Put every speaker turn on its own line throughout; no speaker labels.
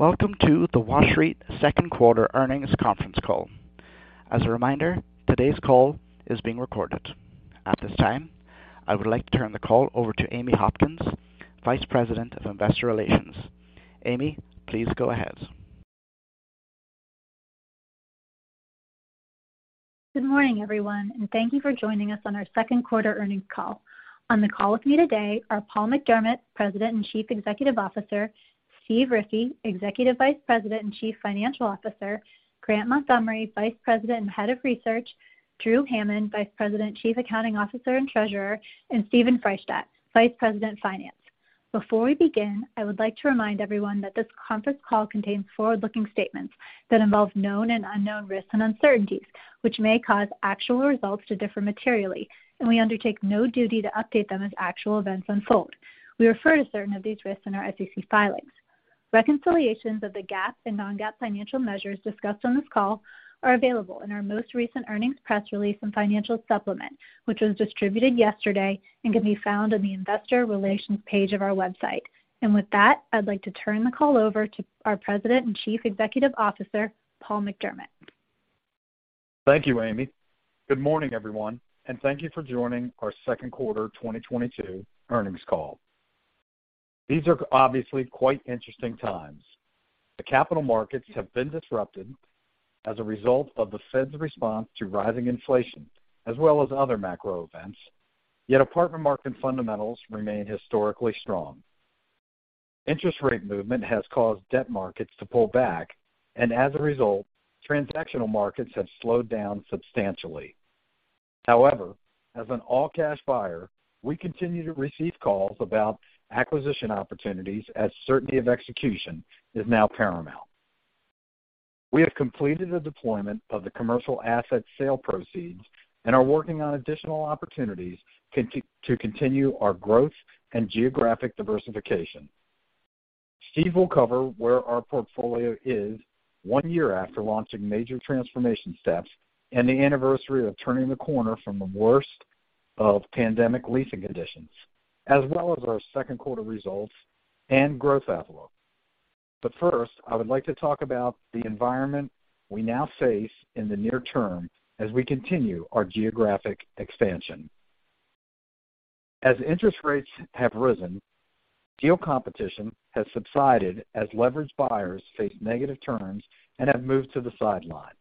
Welcome to the WashREIT Q2 Earnings Conference Call. As a reminder, today's call is being recorded. At this time, I would like to turn the call over to Amy Hopkins, Vice President of Investor Relations. Amy, please go ahead.
Good morning, everyone, and thank you for joining us on our Q2 Earnings Call. On the call with me today are Paul McDermott, President and Chief Executive Officer, Steve Riffee, Executive Vice President and Chief Financial Officer, Grant Montgomery, Vice President and Head of Research, Drew Hammond, Vice President, Chief Accounting Officer, and Treasurer, and Stephen Freishtat, Vice President of Finance. Before we begin, I would like to remind everyone that this conference call contains forward-looking statements that involve known and unknown risks and uncertainties, which may cause actual results to differ materially, and we undertake no duty to update them as actual events unfold. We refer to certain of these risks in our SEC filings. Reconciliations of the GAAP and non-GAAP financial measures discussed on this call are available in our most recent earnings press release and financial supplement, which was distributed yesterday and can be found on the investor relations page of our website. With that, I'd like to turn the call over to our President and Chief Executive Officer, Paul T. McDermott.
Thank you, Amy. Good morning, everyone, and thank you for joining our Q2 2022 earnings call. These are obviously quite interesting times. The capital markets have been disrupted as a result of the Fed's response to rising inflation as well as other macro events, yet apartment market fundamentals remain historically strong. Interest rate movement has caused debt markets to pull back and as a result, transactional markets have slowed down substantially. However, as an all-cash buyer, we continue to receive calls about acquisition opportunities as certainty of execution is now paramount. We have completed the deployment of the commercial asset sale proceeds and are working on additional opportunities to continue our growth and geographic diversification. Steve will cover where our portfolio is one year after launching major transformation steps and the anniversary of turning the corner from the worst of pandemic leasing conditions, as well as our Q2 results and growth outlook. First, I would like to talk about the environment we now face in the near term as we continue our geographic expansion. As interest rates have risen, deal competition has subsided as leveraged buyers face negative terms and have moved to the sidelines.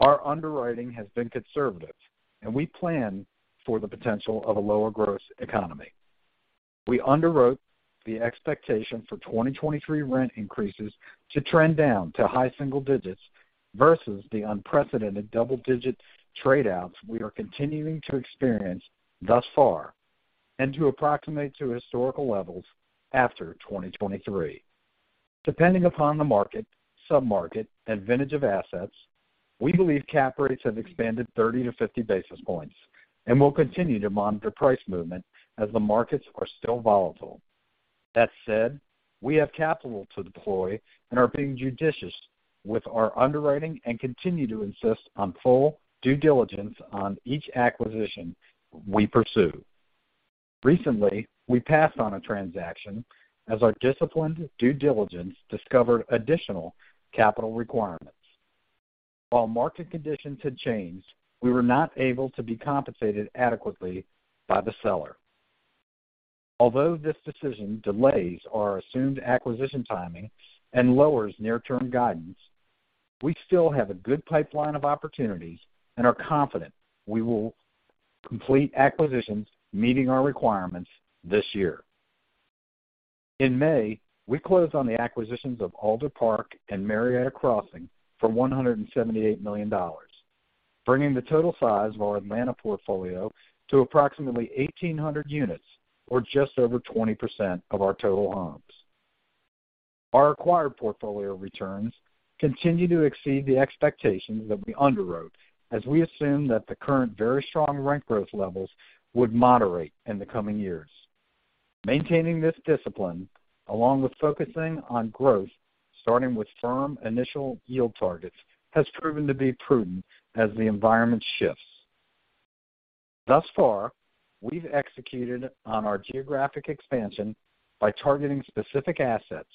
Our underwriting has been conservative and we plan for the potential of a lower growth economy. We underwrote the expectation for 2023 rent increases to trend down to high single-digits versus the unprecedented double-digit trade-outs we are continuing to experience thus far and to approximate to historical levels after 2023. Depending upon the market, sub-market, and vintage of assets, we believe cap rates have expanded 30-50 basis points and will continue to monitor price movement as the markets are still volatile. That said, we have capital to deploy and are being judicious with our underwriting and continue to insist on full due diligence on each acquisition we pursue. Recently, we passed on a transaction as our disciplined due diligence discovered additional capital requirements. While market conditions had changed, we were not able to be compensated adequately by the seller. Although this decision delays our assumed acquisition timing and lowers near-term guidance, we still have a good pipeline of opportunities and are confident we will complete acquisitions meeting our requirements this year. In May, we closed on the acquisitions of Alder Park and Marietta Crossing for $178 million, bringing the total size of our Atlanta portfolio to approximately 1,800 units or just over 20% of our total homes. Our acquired portfolio returns continue to exceed the expectations that we underwrote as we assume that the current very strong rent growth levels would moderate in the coming years. Maintaining this discipline, along with focusing on growth, starting with firm initial yield targets, has proven to be prudent as the environment shifts. Thus far, we've executed on our geographic expansion by targeting specific assets,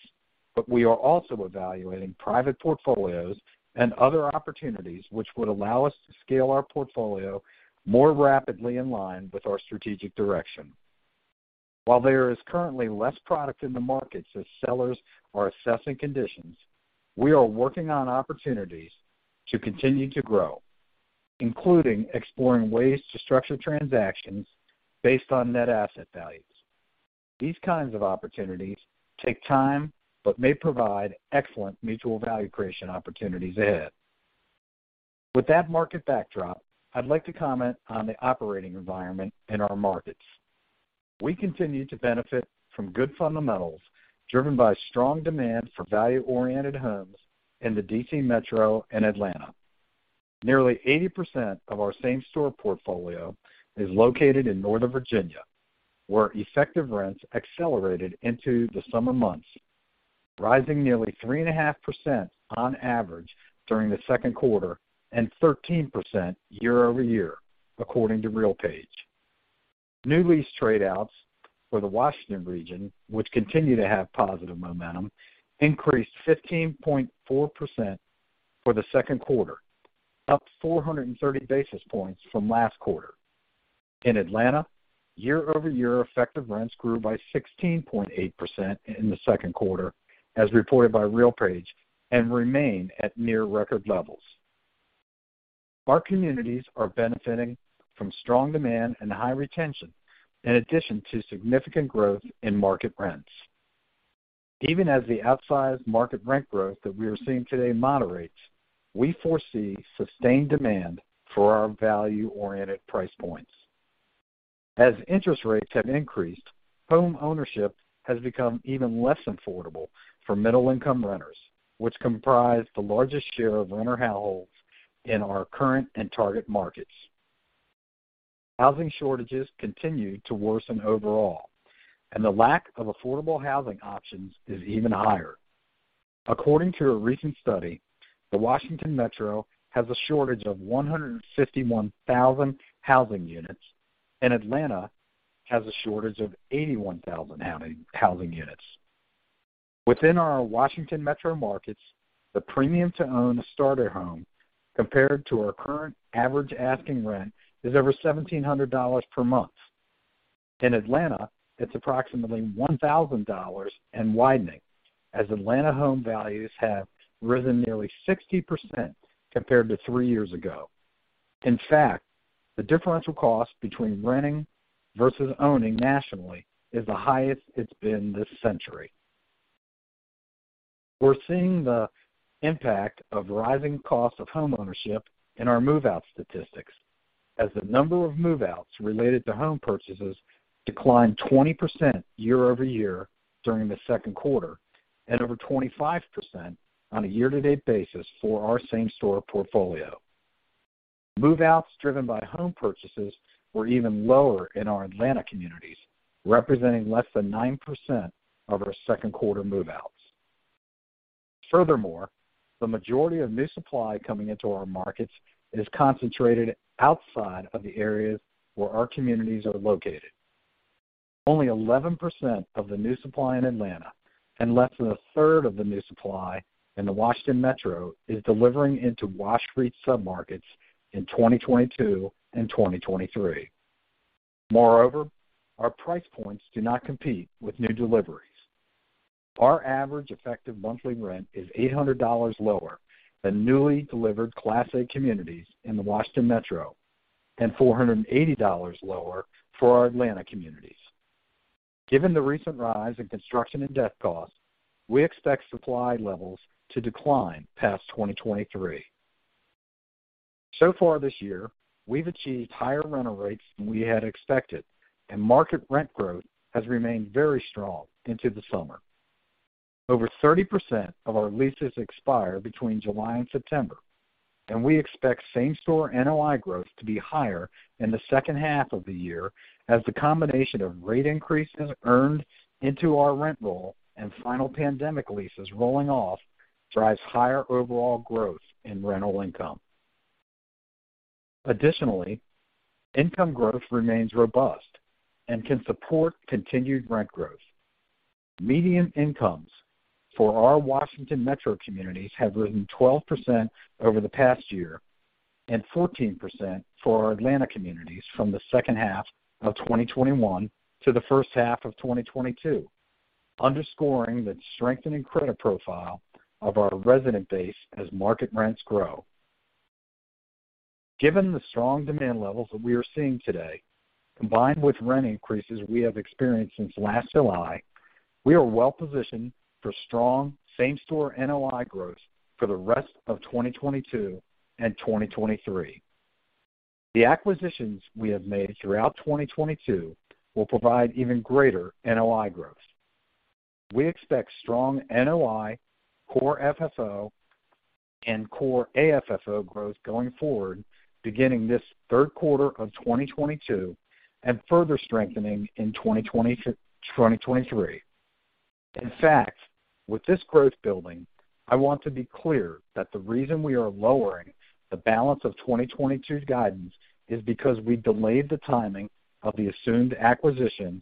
but we are also evaluating private portfolios and other opportunities which would allow us to scale our portfolio more rapidly in line with our strategic direction. While there is currently less product in the markets as sellers are assessing conditions, we are working on opportunities to continue to grow, including exploring ways to structure transactions based on net asset values. These kinds of opportunities take time, but may provide excellent mutual value creation opportunities ahead. With that market backdrop, I'd like to comment on the operating environment in our markets. We continue to benefit from good fundamentals driven by strong demand for value-oriented homes in the D.C. Metro and Atlanta. Nearly 80% of our same-store portfolio is located in Northern Virginia, where effective rents accelerated into the summer months, rising nearly 3.5% on average during the Q2 and 13% year-over-year, according to RealPage. New lease trade-outs for the Washington region, which continue to have positive momentum, increased 15.4% for the Q2, up 430 basis points from last quarter. In Atlanta, year-over-year effective rents grew by 16.8% in the Q2, as reported by RealPage, and remain at near record levels. Our communities are benefiting from strong demand and high retention in addition to significant growth in market rents. Even as the outsized market rent growth that we are seeing today moderates, we foresee sustained demand for our value-oriented price points. As interest rates have increased, home ownership has become even less affordable for middle-income renters, which comprise the largest share of renter households in our current and target markets. Housing shortages continue to worsen overall, and the lack of affordable housing options is even higher. According to a recent study, the Washington Metro has a shortage of 151,000 housing units, and Atlanta has a shortage of 81,000 housing units. Within our Washington Metro markets, the premium to own a starter home compared to our current average asking rent is over $1,700 per month. In Atlanta, it's approximately $1,000 and widening, as Atlanta home values have risen nearly 60% compared to three years ago. In fact, the differential cost between renting versus owning nationally is the highest it's been this century. We're seeing the impact of rising costs of home ownership in our move-out statistics as the number of move-outs related to home purchases declined 20% year-over-year during the Q2 and over 25% on a year-to-date basis for our same-store portfolio. Move-outs driven by home purchases were even lower in our Atlanta communities, representing less than 9% of our Q2 move-outs. Furthermore, the majority of new supply coming into our markets is concentrated outside of the areas where our communities are located. Only 11% of the new supply in Atlanta and less than a third of the new supply in the Washington Metro is delivering into WashREIT submarkets in 2022 and 2023. Moreover, our price points do not compete with new deliveries. Our average effective monthly rent is $800 lower than newly delivered Class A communities in the Washington Metro and $480 lower for our Atlanta communities. Given the recent rise in construction and debt costs, we expect supply levels to decline past 2023. So far this year, we've achieved higher rental rates than we had expected, and market rent growth has remained very strong into the summer. Over 30% of our leases expire between July and September, and we expect same-store NOI growth to be higher in the second half of the year as the combination of rate increases earned into our rent roll and final pandemic leases rolling off drives higher overall growth in rental income. Additionally, income growth remains robust and can support continued rent growth. Median incomes for our Washington Metro communities have risen 12% over the past year and 14% for our Atlanta communities from the second half of 2021 to the first half of 2022, underscoring the strengthening credit profile of our resident base as market rents grow. Given the strong demand levels that we are seeing today, combined with rent increases we have experienced since last July, we are well positioned for strong same-store NOI growth for the rest of 2022 and 2023. The acquisitions we have made throughout 2022 will provide even greater NOI growth. We expect strong NOI, Core FFO, and Core AFFO growth going forward beginning this Q3 of 2022 and further strengthening in 2023. In fact, with this growth building, I want to be clear that the reason we are lowering the balance of 2022's guidance is because we delayed the timing of the assumed acquisition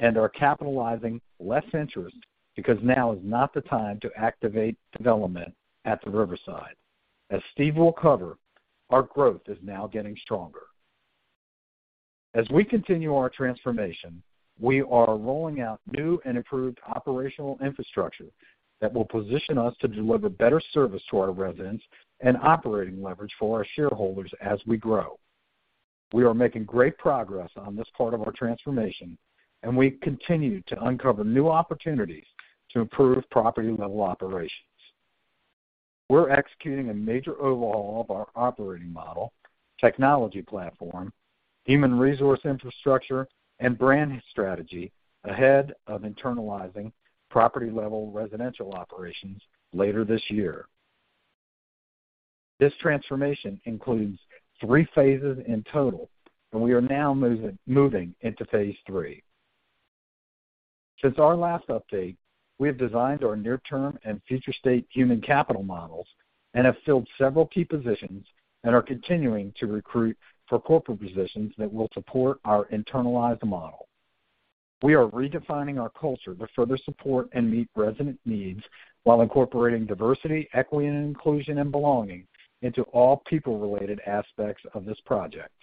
and are capitalizing less interest because now is not the time to activate development at the Riverside. As Steve will cover, our growth is now getting stronger. As we continue our transformation, we are rolling out new and improved operational infrastructure that will position us to deliver better service to our residents and operating leverage for our shareholders as we grow. We are making great progress on this part of our transformation, and we continue to uncover new opportunities to improve property-level operations. We're executing a major overhaul of our operating model, technology platform, human resource infrastructure, and branding strategy ahead of internalizing property-level residential operations later this year. This transformation includes three phases in total, and we are now moving into phase three. Since our last update, we have designed our near-term and future state human capital models and have filled several key positions and are continuing to recruit for corporate positions that will support our internalized model. We are redefining our culture to further support and meet resident needs while incorporating diversity, equity, and inclusion and belonging into all people-related aspects of this project.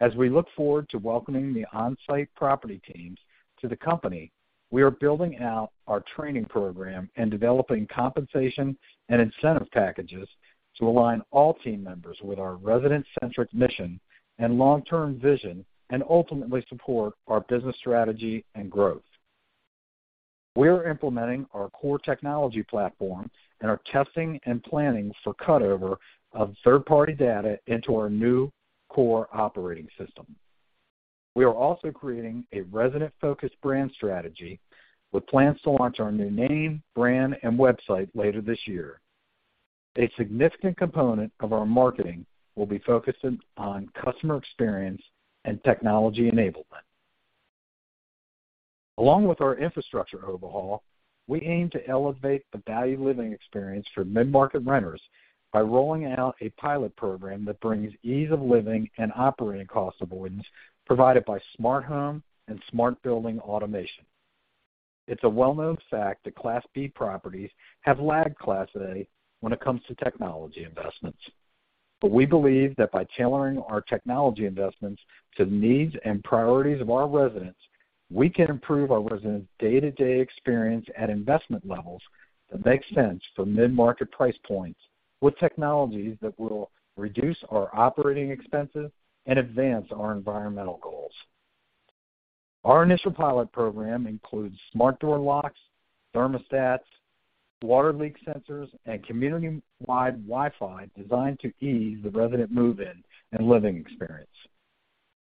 As we look forward to welcoming the on-site property teams to the company, we are building out our training program and developing compensation and incentive packages to align all team members with our resident-centric mission and long-term vision, and ultimately support our business strategy and growth. We are implementing our core technology platform and are testing and planning for cut over of third-party data into our new core operating system. We are also creating a resident-focused brand strategy with plans to launch our new name, brand, and website later this year. A significant component of our marketing will be focusing on customer experience and technology enablement. Along with our infrastructure overhaul, we aim to elevate the value living experience for mid-market renters by rolling out a pilot program that brings ease of living and operating cost avoidance provided by smart home and smart building automation. It's a well-known fact that Class B properties have lagged Class A when it comes to technology investments. We believe that by tailoring our technology investments to the needs and priorities of our residents, we can improve our residents' day-to-day experience at investment levels that make sense for mid-market price points, with technologies that will reduce our operating expenses and advance our environmental goals. Our initial pilot program includes smart door locks, thermostats, water leak sensors, and community-wide Wi-Fi designed to ease the resident move-in and living experience.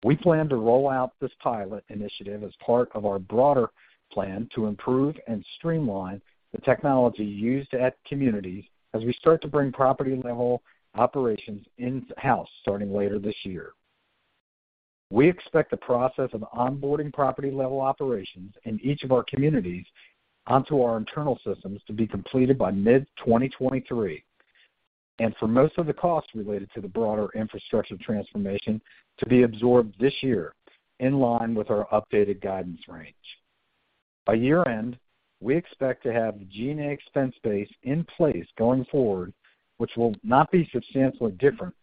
We plan to roll out this pilot initiative as part of our broader plan to improve and streamline the technology used at communities as we start to bring property-level operations in-house starting later this year. We expect the process of onboarding property-level operations in each of our communities onto our internal systems to be completed by mid-2023, and for most of the costs related to the broader infrastructure transformation to be absorbed this year, in line with our updated guidance range. By year-end, we expect to have the G&A expense base in-place going forward, which will not be substantially different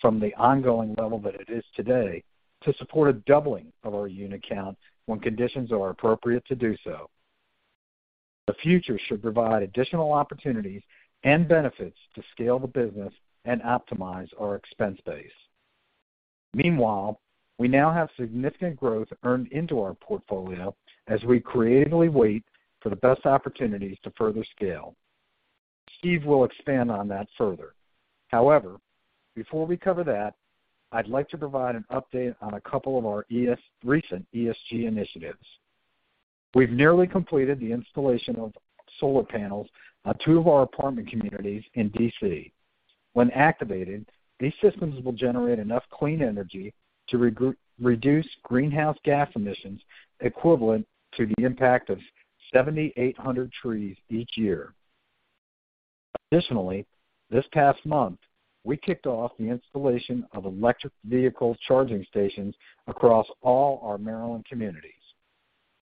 from the ongoing level that it is today to support a doubling of our unit count when conditions are appropriate to do so. The future should provide additional opportunities and benefits to scale the business and optimize our expense base. Meanwhile, we now have significant growth earned into our portfolio as we creatively wait for the best opportunities to further scale. Steve will expand on that further. However, before we cover that, I'd like to provide an update on a couple of our recent ESG initiatives. We've nearly completed the installation of solar panels on two of our apartment communities in D.C. When activated, these systems will generate enough clean energy to reduce greenhouse gas emissions equivalent to the impact of 7,800 trees each year. Additionally, this past month, we kicked off the installation of electric vehicle charging stations across all our Maryland communities.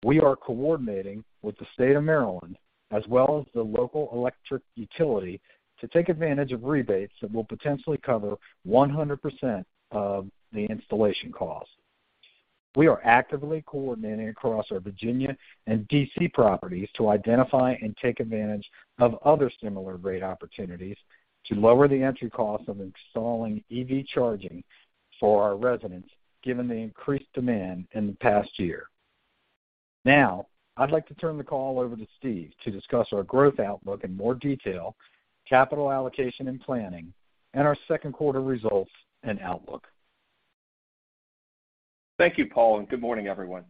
We are coordinating with the State of Maryland as well as the local electric utility to take advantage of rebates that will potentially cover 100% of the installation cost. We are actively coordinating across our Virginia and D.C. properties to identify and take advantage of other similar rate opportunities to lower the entry cost of installing EV charging for our residents, given the increased demand in the past year. Now, I'd like to turn the call over to Steve to discuss our growth outlook in more detail, capital allocation and planning, and our Q2 results and outlook.
Thank you, Paul, and good morning, everyone.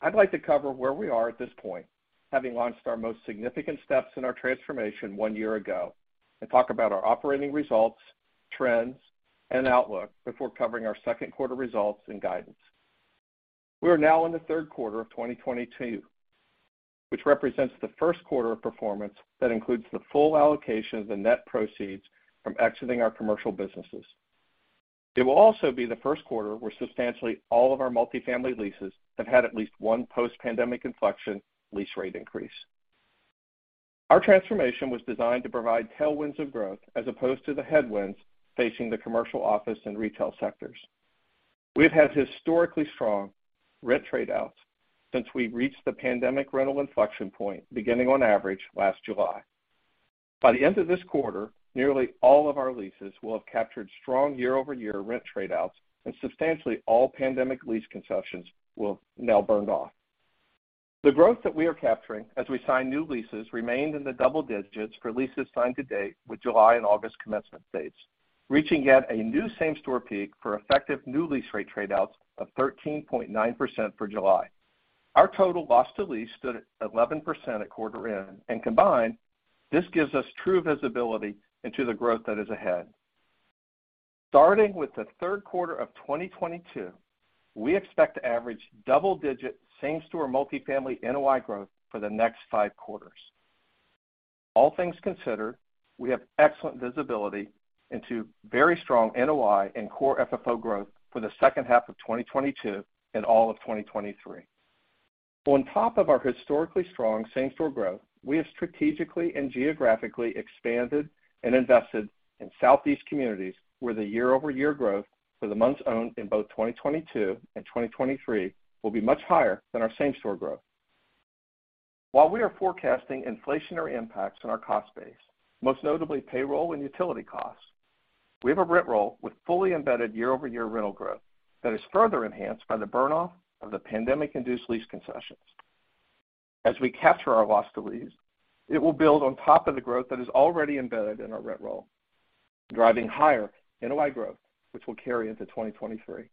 I'd like to cover where we are at this point, having launched our most significant steps in our transformation one year ago, and talk about our operating results, trends, and outlook before covering our Q2 results and guidance. We are now in the Q3 of 2022, which represents the Q1 of performance that includes the full allocation of the net proceeds from exiting our commercial businesses. It will also be the Q1 where substantially all of our multifamily leases have had at least one post-pandemic inflection lease rate increase. Our transformation was designed to provide tailwinds of growth as opposed to the headwinds facing the commercial office and retail sectors. We've had historically strong rent trade-outs since we reached the pandemic rental inflection point, beginning on average last July. By the end of this quarter, nearly all of our leases will have captured strong year-over-year rent trade-outs and substantially all pandemic lease concessions will have now burned off. The growth that we are capturing as we sign new leases remained in the double-digits for leases signed to date with July and August commencement dates, reaching yet a new same-store peak for effective new lease rate trade-outs of 13.9% for July. Our total loss to lease stood at 11% at quarter end, and combined, this gives us true visibility into the growth that is ahead. Starting with the Q3 of 2022, we expect to average double-digit same-store multi-family NOI growth for the next five quarters. All things considered, we have excellent visibility into very strong NOI and core FFO growth for the second half of 2022 and all of 2023. On top of our historically strong same-store growth, we have strategically and geographically expanded and invested in southeast communities where the year-over-year growth for the months owned in both 2022 and 2023 will be much higher than our same-store growth. While we are forecasting inflationary impacts on our cost base, most notably payroll and utility costs, we have a rent roll with fully embedded year-over-year rental growth that is further enhanced by the burn-off of the pandemic-induced lease concessions. As we capture our loss to lease, it will build on top of the growth that is already embedded in our rent roll, driving higher NOI growth, which will carry into 2023.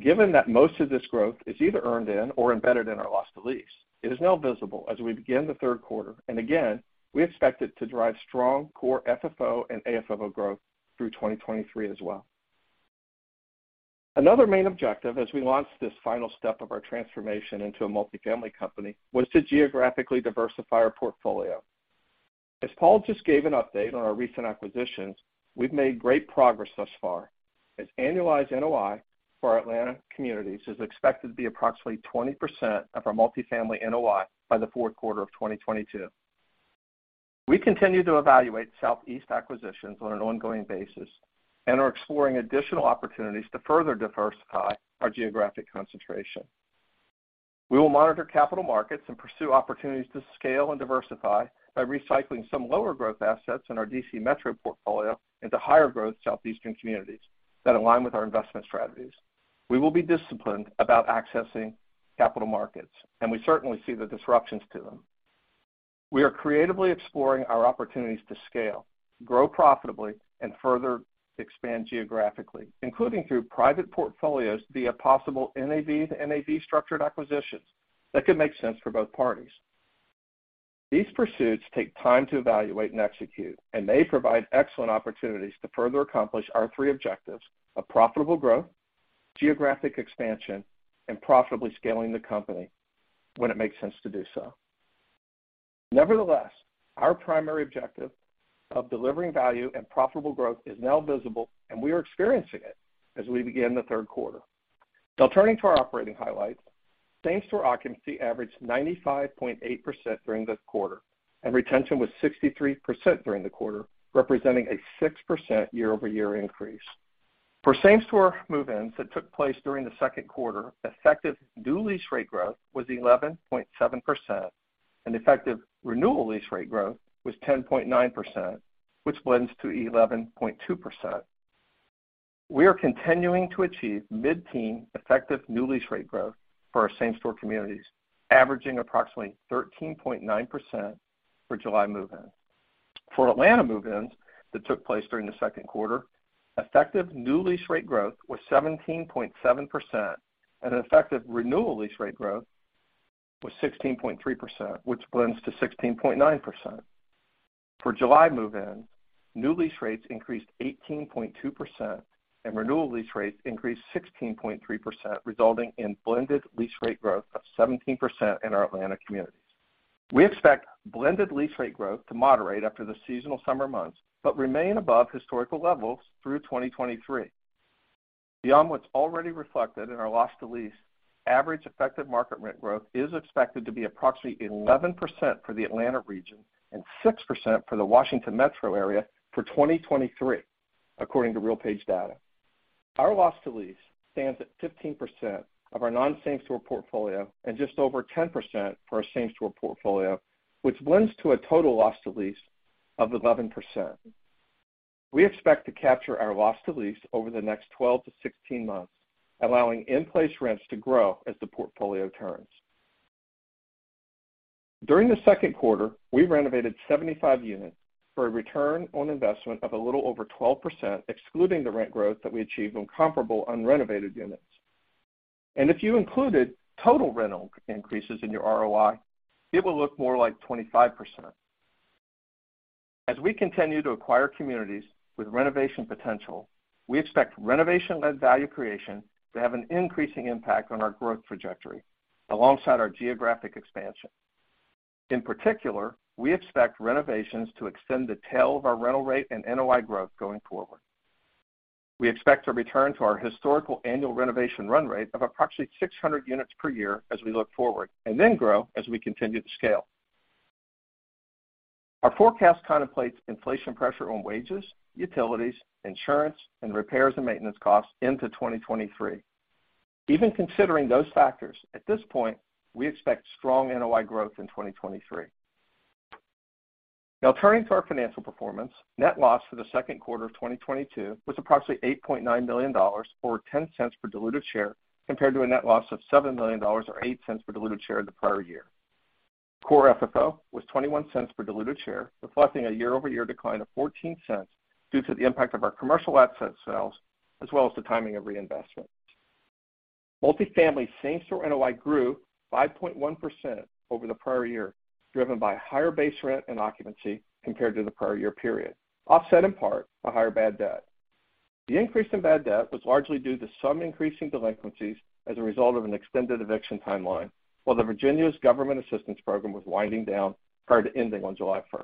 Given that most of this growth is either earned in or embedded in our loss to lease, it is now visible as we begin the Q3. Again, we expect it to drive strong core FFO and AFFO growth through 2023 as well. Another main objective as we launched this final step of our transformation into a multi-family company was to geographically diversify our portfolio. As Paul just gave an update on our recent acquisitions, we've made great progress thus far, as annualized NOI for our Atlanta communities is expected to be approximately 20% of our multi-family NOI by the Q4 of 2022. We continue to evaluate Southeast acquisitions on an ongoing basis and are exploring additional opportunities to further diversify our geographic concentration. We will monitor capital markets and pursue opportunities to scale and diversify by recycling some lower growth assets in our D.C. Metro portfolio into higher growth Southeastern communities that align with our investment strategies. We will be disciplined about accessing capital markets, and we certainly see the disruptions to them. We are creatively exploring our opportunities to scale, grow profitably, and further expand geographically, including through private portfolios via possible NAV-to-NAV structured acquisitions that could make sense for both parties. These pursuits take time to evaluate and execute, and they provide excellent opportunities to further accomplish our three objectives of profitable growth, geographic expansion, and profitably scaling the company when it makes sense to do so. Nevertheless, our primary objective of delivering value and profitable growth is now visible, and we are experiencing it as we begin the Q3. Now turning to our operating highlights. Same-store occupancy averaged 95.8% during this quarter, and retention was 63% during the quarter, representing a 6% year-over-year increase. For same-store move-ins that took place during the Q2, effective new lease rate growth was 11.7%, and effective renewal lease rate growth was 10.9%, which blends to 11.2%. We are continuing to achieve mid-teen effective new lease rate growth for our same-store communities, averaging approximately 13.9% for July move-ins. For Atlanta move-ins that took place during the Q2, effective new lease rate growth was 17.7%, and effective renewal lease rate growth was 16.3%, which blends to 16.9%. For July move-ins, new lease rates increased 18.2%, and renewal lease rates increased 16.3%, resulting in blended lease rate growth of 17% in our Atlanta communities. We expect blended lease rate growth to moderate after the seasonal summer months, but remain above historical levels through 2023. Beyond what's already reflected in our loss to lease, average effective market rent growth is expected to be approximately 11% for the Atlanta region and 6% for the Washington Metro area for 2023, according to RealPage data. Our loss to lease stands at 15% of our non-same-store portfolio and just over 10% for our same-store portfolio, which blends to a total loss to lease of 11%. We expect to capture our loss to lease over the next 12-16 months, allowing in-place rents to grow as the portfolio turns. During the Q2, we renovated 75 units for a return on investment of a little over 12%, excluding the rent growth that we achieved on comparable unrenovated units. If you included total rental increases in your ROI, it will look more like 25%. As we continue to acquire communities with renovation potential, we expect renovation-led value creation to have an increasing impact on our growth trajectory alongside our geographic expansion. In particular, we expect renovations to extend the tail of our rental rate and NOI growth going forward. We expect to return to our historical annual renovation run rate of approximately 600 units per year as we look forward, and then grow as we continue to scale. Our forecast contemplates inflation pressure on wages, utilities, insurance, and repairs and maintenance costs into 2023. Even considering those factors, at this point, we expect strong NOI growth in 2023. Now turning to our financial performance. Net loss for the Q2 of 2022 was approximately $8.9 million or $0.10 per diluted share, compared to a net loss of $7 million or $0.08 per diluted share the prior year. Core FFO was $0.21 per diluted share, reflecting a year-over-year decline of $0.14 due to the impact of our commercial asset sales, as well as the timing of reinvestment. Multifamily same-store NOI grew 5.1% over the prior year, driven by higher base rent and occupancy compared to the prior year period, offset in part by higher bad debt. The increase in bad debt was largely due to some increasing delinquencies as a result of an extended eviction timeline, while Virginia's government assistance program was winding down prior to ending on July 1.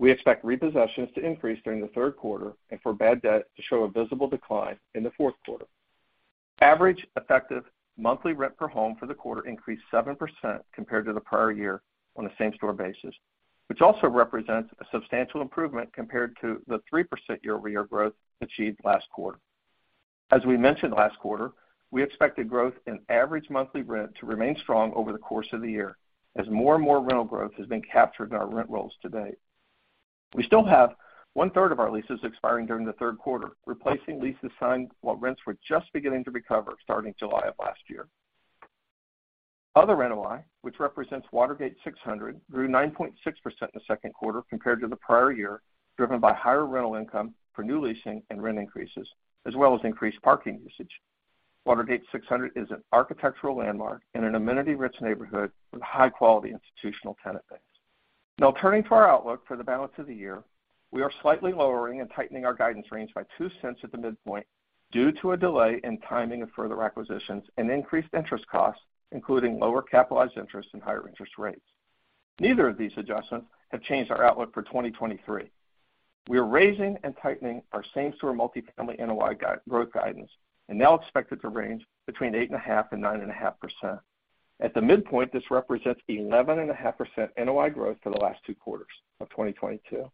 We expect repossessions to increase during the Q3 and for bad debt to show a visible decline in the Q4. Average effective monthly rent per home for the quarter increased 7% compared to the prior year on a same-store basis, which also represents a substantial improvement compared to the 3% year-over-year growth achieved last quarter. As we mentioned last quarter, we expected growth in average monthly rent to remain strong over the course of the year as more and more rental growth has been captured in our rent rolls to date. We still have one-third of our leases expiring during the Q3, replacing leases signed while rents were just beginning to recover starting July of last year. Other NOI, which represents Watergate 600, grew 9.6% in the Q2 compared to the prior year, driven by higher rental income for new leasing and rent increases, as well as increased parking usage. Watergate 600 is an architectural landmark in an amenity-rich neighborhood with high-quality institutional tenant base. Now turning to our outlook for the balance of the year. We are slightly lowering and tightening our guidance range by $0.02 at the midpoint due to a delay in timing of further acquisitions and increased interest costs, including lower capitalized interest and higher interest rates. Neither of these adjustments have changed our outlook for 2023. We are raising and tightening our same-store multifamily NOI growth guidance and now expect it to range between 8.5% and 9.5%. At the midpoint, this represents 11.5% NOI growth for the last two quarters of 2022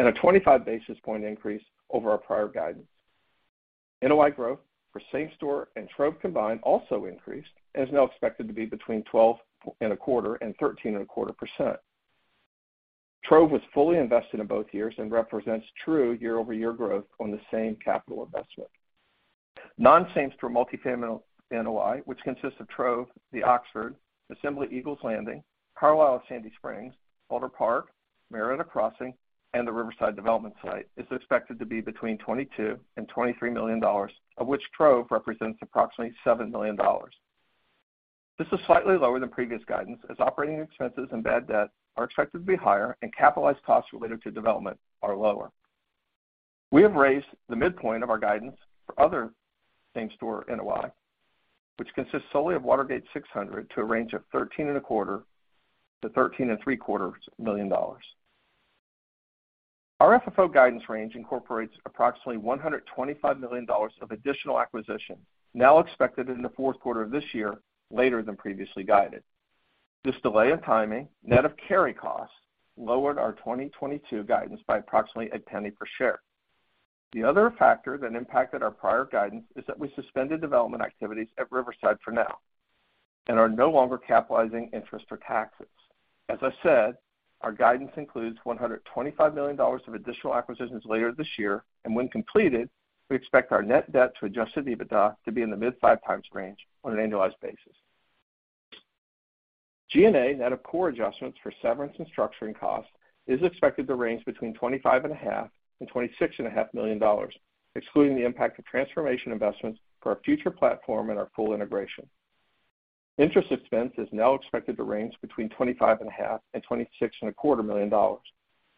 and a 25 basis point increase over our prior guidance. NOI growth for same-store and Trove combined also increased and is now expected to be between 12.25% and 13.25%. Trove was fully invested in both years and represents true year-over-year growth on the same capital investment. Non-same-store multifamily NOI, which consists of Trove, The Oxford, Assembly at Eagles Landing, The Carlyle of Sandy Springs, Alder Park, Marietta Crossing, and the Riverside Development Site, is expected to be between $22 million and $23 million, of which Trove represents approximately $7 million. This is slightly lower than previous guidance as operating expenses and bad debt are expected to be higher and capitalized costs related to development are lower. We have raised the midpoint of our guidance for other same-store NOI, which consists solely of Watergate 600, to a range of $13.25 million-$13.75 million. Our FFO guidance range incorporates approximately $125 million of additional acquisition, now expected in the Q4 of this year, later than previously guided. This delay in timing, net of carry costs, lowered our 2022 guidance by approximately $0.01 per share. The other factor that impacted our prior guidance is that we suspended development activities at Riverside for now and are no longer capitalizing interest or taxes. As I said, our guidance includes $125 million of additional acquisitions later this year. When completed, we expect our net debt to adjusted EBITDA to be in the mid-5x range on an annualized basis. G&A net of core adjustments for severance and structuring costs is expected to range between $25.5 million and $26.5 million, excluding the impact of transformation investments for our future platform and our full integration. Interest expense is now expected to range between $25.5 million and $26.25 million,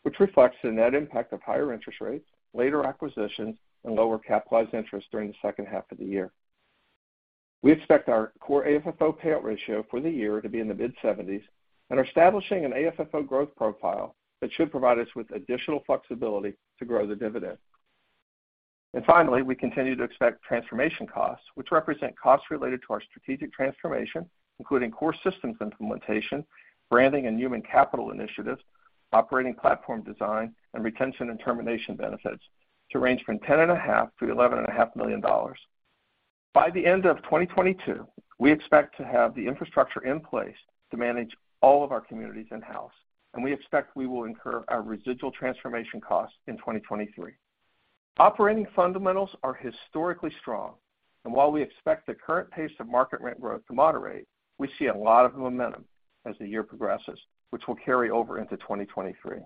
which reflects the net impact of higher interest rates, later acquisitions, and lower capitalized interest during the second half of the year. We expect our core AFFO payout ratio for the year to be in the mid-70s% and are establishing an AFFO growth profile that should provide us with additional flexibility to grow the dividend. Finally, we continue to expect transformation costs, which represent costs related to our strategic transformation, including core systems implementation, branding and human capital initiatives, operating platform design, and retention and termination benefits, to range from $10.5 million-$11.5 million. By the end of 2022, we expect to have the infrastructure in-place to manage all of our communities in-house, and we expect we will incur our residual transformation costs in 2023. Operating fundamentals are historically strong, and while we expect the current pace of market rent growth to moderate, we see a lot of momentum as the year progresses, which will carry over into 2023.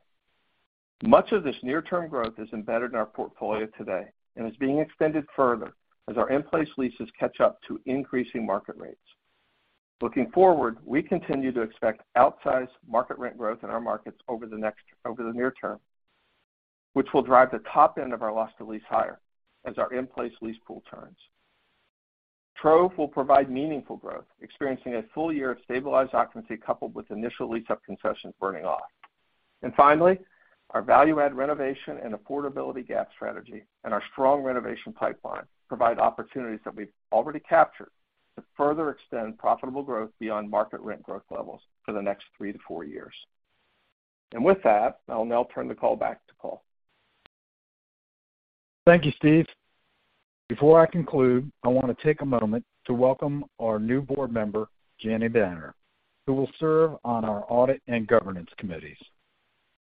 Much of this near-term growth is embedded in our portfolio today and is being extended further as our in-place leases catch up to increasing market rates. Looking forward, we continue to expect outsized market rent growth in our markets over the near-term, which will drive the top end of our loss to lease higher as our in-place lease pool turns. Trove will provide meaningful growth, experiencing a full year of stabilized occupancy coupled with initial lease-up concessions burning off. Finally, our value add renovation and affordability gap strategy and our strong renovation pipeline provide opportunities that we've already captured to further extend profitable growth beyond market rent growth levels for the next three to four years. With that, I'll now turn the call back to Paul.
Thank you, Steve. Before I conclude, I want to take a moment to welcome our new board member, Jenny Banner, who will serve on our audit and governance committees.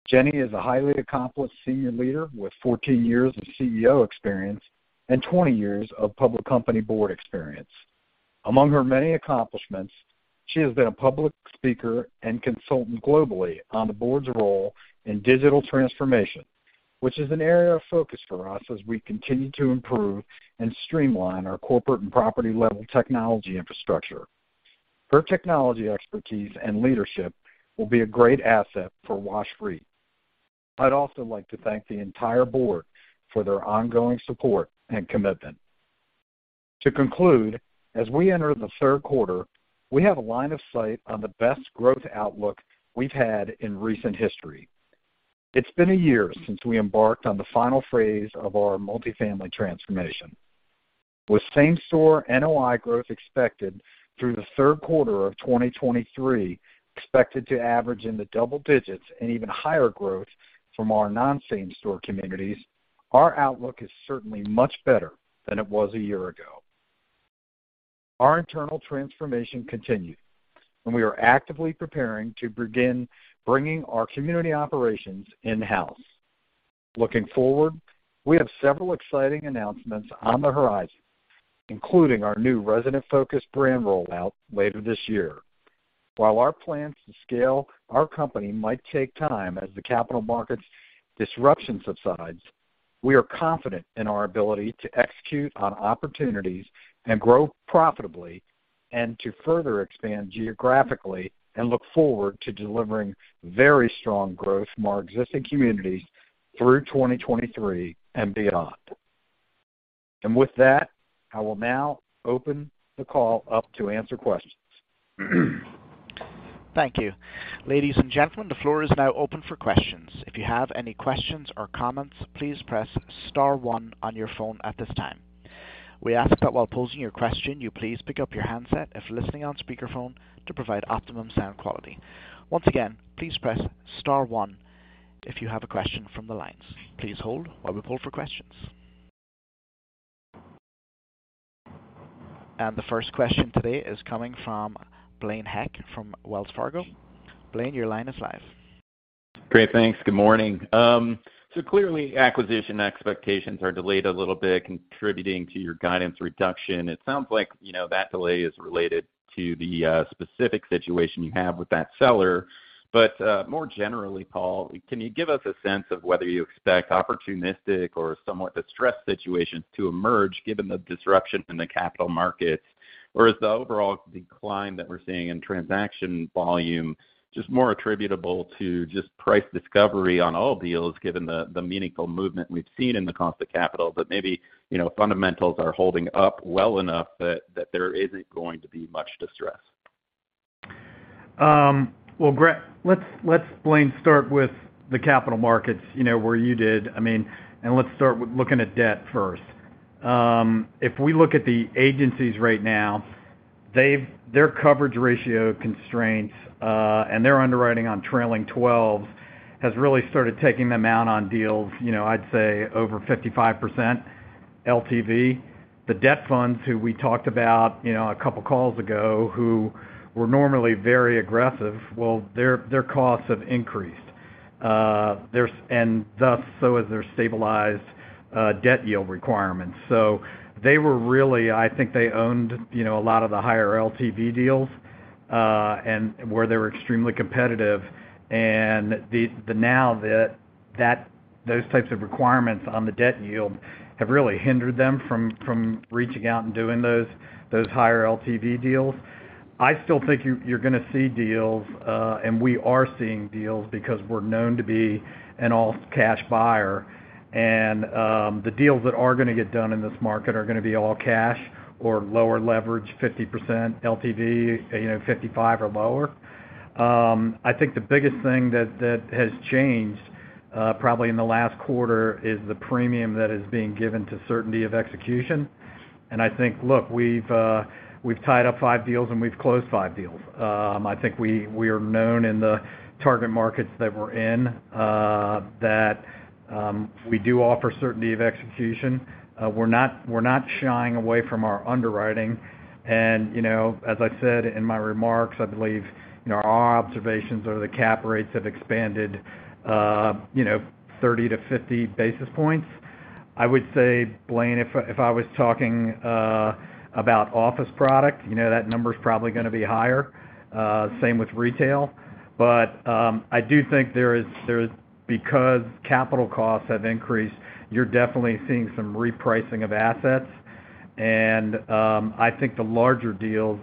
Jenny is a highly accomplished senior leader with 14 years of CEO experience and 20 years of public company board experience. Among her many accomplishments, she has been a public speaker and consultant globally on the board's role in digital transformation. Which is an area of focus for us as we continue to improve and streamline our corporate and property-level technology infrastructure. Her technology expertise and leadership will be a great asset for WashREIT. I'd also like to thank the entire board for their ongoing support and commitment. To conclude, as we enter the Q3, we have a line of sight on the best growth outlook we've had in recent history. It's been a year since we embarked on the final phase of our multifamily transformation. With same-store NOI growth expected through the Q3 of 2023, expected to average in the double digits and even higher growth from our non-same-store communities, our outlook is certainly much better than it was a year ago. Our internal transformation continues, and we are actively preparing to begin bringing our community operations in-house. Looking forward, we have several exciting announcements on the horizon, including our new resident-focused brand rollout later this year. While our plans to scale our company might take time as the capital markets disruption subsides, we are confident in our ability to execute on opportunities and grow profitably, and to further expand geographically and look forward to delivering very strong growth from our existing communities through 2023 and beyond. With that, I will now open the call up to answer questions.
Thank you. Ladies and gentlemen, the floor is now open for questions. If you have any questions or comments, please press Star one on your phone at this time. We ask that while posing your question, you please pick up your handset if listening on speakerphone to provide optimum sound quality. Once again, please press Star one if you have a question from the lines. Please hold while we poll for questions. The first question today is coming from Blaine Heck from Wells Fargo. Blaine, your line is live.
Great. Thanks. Good morning. So clearly acquisition expectations are delayed a little bit, contributing to your guidance reduction. It sounds like, you know, that delay is related to the specific situation you have with that seller. More generally, Paul, can you give us a sense of whether you expect opportunistic or somewhat distressed situations to emerge given the disruption in the capital markets? Or is the overall decline that we're seeing in transaction volume just more attributable to just price discovery on all deals, given the meaningful movement we've seen in the cost of capital, but maybe, you know, fundamentals are holding up well enough that there isn't going to be much distress?
Well, let's Blaine start with the capital markets, you know, where you did. I mean, let's start with looking at debt first. If we look at the agencies right now, their coverage ratio constraints and their underwriting on trailing twelves has really started taking them out on deals, you know, I'd say over 55% LTV. The debt funds who we talked about, you know, a couple of calls ago, who were normally very aggressive, well, their costs have increased. And thus, so has their stabilized debt yield requirements. So they were really I think they owned, you know, a lot of the higher LTV deals and where they were extremely competitive. Now that those types of requirements on the debt yield have really hindered them from reaching out and doing those higher LTV deals. I still think you're going to see deals, and we are seeing deals because we're known to be an all-cash buyer. The deals that are going to get done in this market are going to be all cash or lower leverage, 50% LTV, you know, 55 or lower. I think the biggest thing that has changed probably in the last quarter is the premium that is being given to certainty of execution. I think, look, we've tied up five deals and we've closed five deals. I think we are known in the target markets that we're in that we do offer certainty of execution. We're not shying away from our underwriting. You know, as I said in my remarks, I believe, you know, our observations are that the cap rates have expanded, you know, 30-50 basis points. I would say, Blaine, if I was talking about office product, you know that number is probably going to be higher, same with retail. I do think there is because capital costs have increased, you're definitely seeing some repricing of assets. I think the larger deals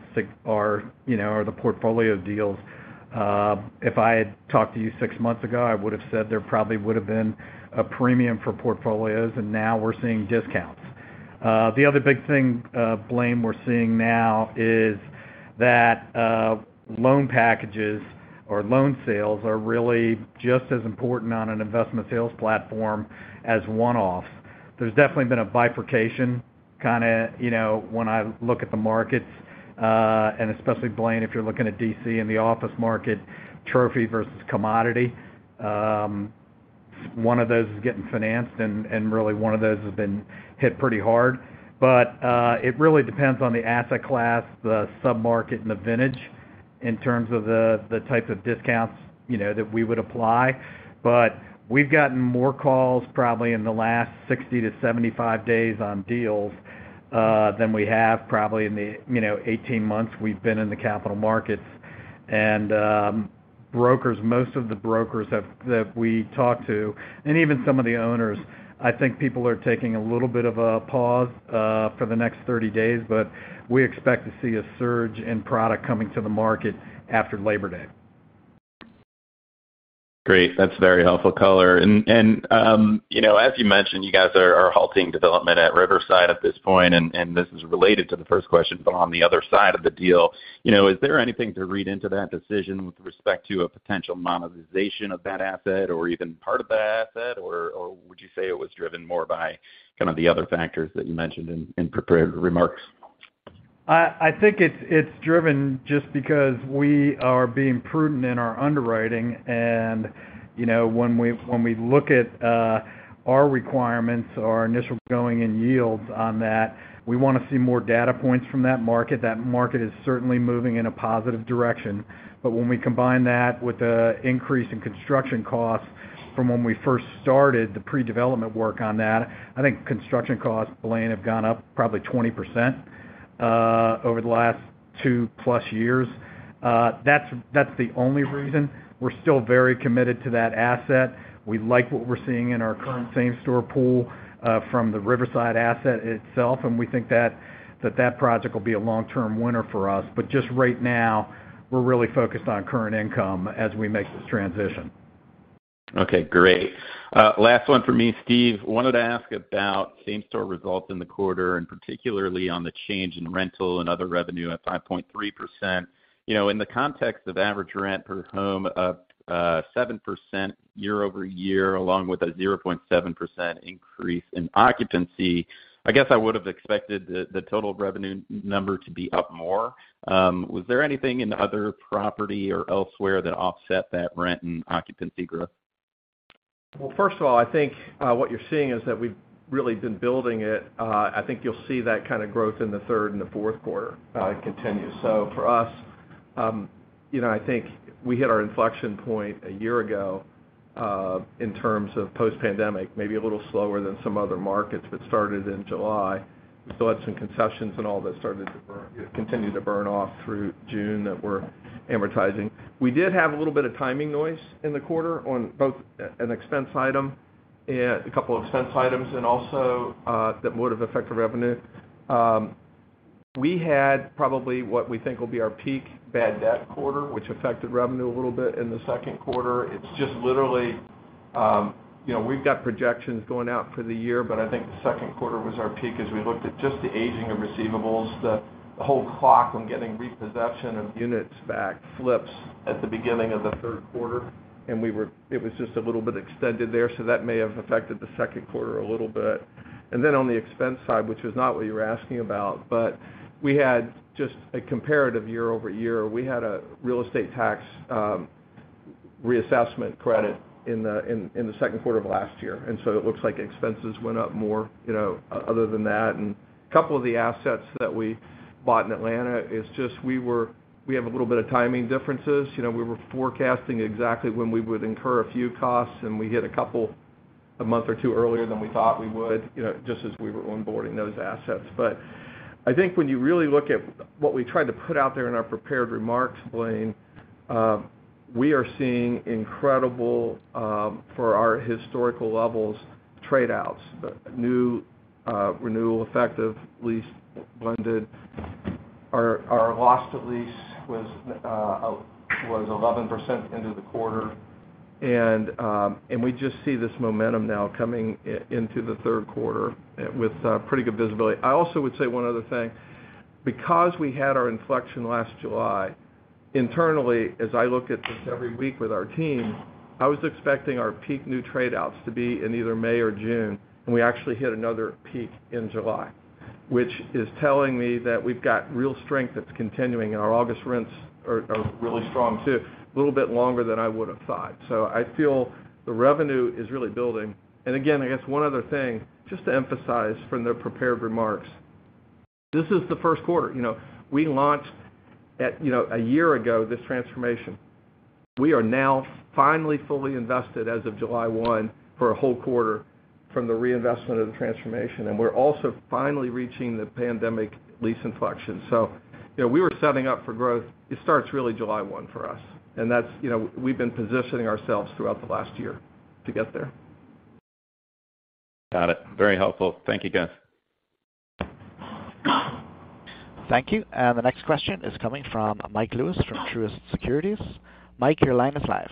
are, you know, the portfolio deals. If I had talked to you six months ago, I would have said there probably would have been a premium for portfolios, and now we're seeing discounts. The other big thing, Blaine, we're seeing now is that, loan packages or loan sales are really just as important on an investment sales platform as one-off. There's definitely been a bifurcation kind of, you know, when I look at the markets, and especially Blaine, if you're looking at D.C. and the office market, trophy versus commodity. One of those is getting financed and really one of those has been hit pretty hard. It really depends on the asset class, the sub-market, and the vintage in terms of the types of discounts, you know, that we would apply. We've gotten more calls probably in the last 60-75 days on deals, than we have probably in the, you know, 18 months we've been in the capital markets. Brokers, most of the brokers that we talk to, and even some of the owners, I think people are taking a little bit of a pause for the next 30 days, but we expect to see a surge in product coming to the market after Labor Day.
Great. That's very helpful color. You know, as you mentioned, you guys are halting development at Riverside at this point, and this is related to the first question, but on the other side of the deal, you know, is there anything to read into that decision with respect to a potential monetization of that asset or even part of that asset? Or would you say it was driven more by kind of the other factors that you mentioned in prepared remarks?
I think it's driven just because we are being prudent in our underwriting. You know, when we look at our requirements, our initial going-in yields on that, we want to see more data points from that market. That market is certainly moving in a positive direction. When we combine that with the increase in construction costs from when we first started the pre-development work on that, I think construction costs, Blaine, have gone up probably 20% over the last two-plus years. That's the only reason. We're still very committed to that asset. We like what we're seeing in our current same-store pool from the Riverside asset itself, and we think that project will be a long-term winner for us. Just right now, we're really focused on current income as we make this transition.
Okay, great. Last one for me, Steve. Wanted to ask about same-store results in the quarter, and particularly on the change in rental and other revenue at 5.3%. You know, in the context of average rent per home up 7% year-over-year, along with a 0.7% increase in occupancy, I guess I would have expected the total revenue number to be up more. Was there anything in other property or elsewhere that offset that rent and occupancy growth?
Well, first of all, I think what you're seeing is that we've really been building it. I think you'll see that kind of growth in the third and the Q4 continue. For us, you know, I think we hit our inflection point a year ago in terms of post-pandemic, maybe a little slower than some other markets that started in July. We still had some concessions and all that started to burn, continue to burn off through June that we're amortizing. We did have a little bit of timing noise in the quarter on both an expense item and a couple of expense items, and also that would have affected revenue. We had probably what we think will be our peak bad debt quarter, which affected revenue a little bit in the Q2. It's just literally, you know, we've got projections going out for the year, but I think the Q2 was our peak as we looked at just the aging of receivables. The whole clock on getting repossession of units back flips at the beginning of the Q3, and it was just a little bit extended there, so that may have affected the Q2 a little bit. On the expense side, which is not what you were asking about, but we had just a comparative year-over-year. We had a real estate tax reassessment credit in the Q2 of last year. It looks like expenses went up more, you know, other than that. A couple of the assets that we bought in Atlanta, it's just we have a little bit of timing differences. You know, we were forecasting exactly when we would incur a few costs, and we hit a couple a month or two earlier than we thought we would, you know, just as we were onboarding those assets. I think when you really look at what we tried to put out there in our prepared remarks, Blaine, we are seeing incredible, for our historical levels, trade-outs, new, renewal effective lease blended. Our loss to lease was 11% into the quarter. We just see this momentum now coming into the Q3, with pretty good visibility. I also would say one other thing. Because we had our inflection last July, internally, as I look at this every week with our team, I was expecting our peak new trade-outs to be in either May or June, and we actually hit another peak in July, which is telling me that we've got real strength that's continuing, and our August rents are really strong too. A little bit longer than I would have thought. I feel the revenue is really building. Again, I guess one other thing, just to emphasize from the prepared remarks, this is the Q1. You know, we launched at, you know, a year ago, this transformation. We are now finally fully invested as of July 1 for a whole quarter from the reinvestment of the transformation, and we're also finally reaching the pandemic lease inflection. You know, we were setting up for growth. It starts really July 1 for us. That's, you know, we've been positioning ourselves throughout the last year to get there.
Got it. Very helpful. Thank you, guys.
Thank you. The next question is coming from Michael Lewis from Truist Securities. Mike, your line is live.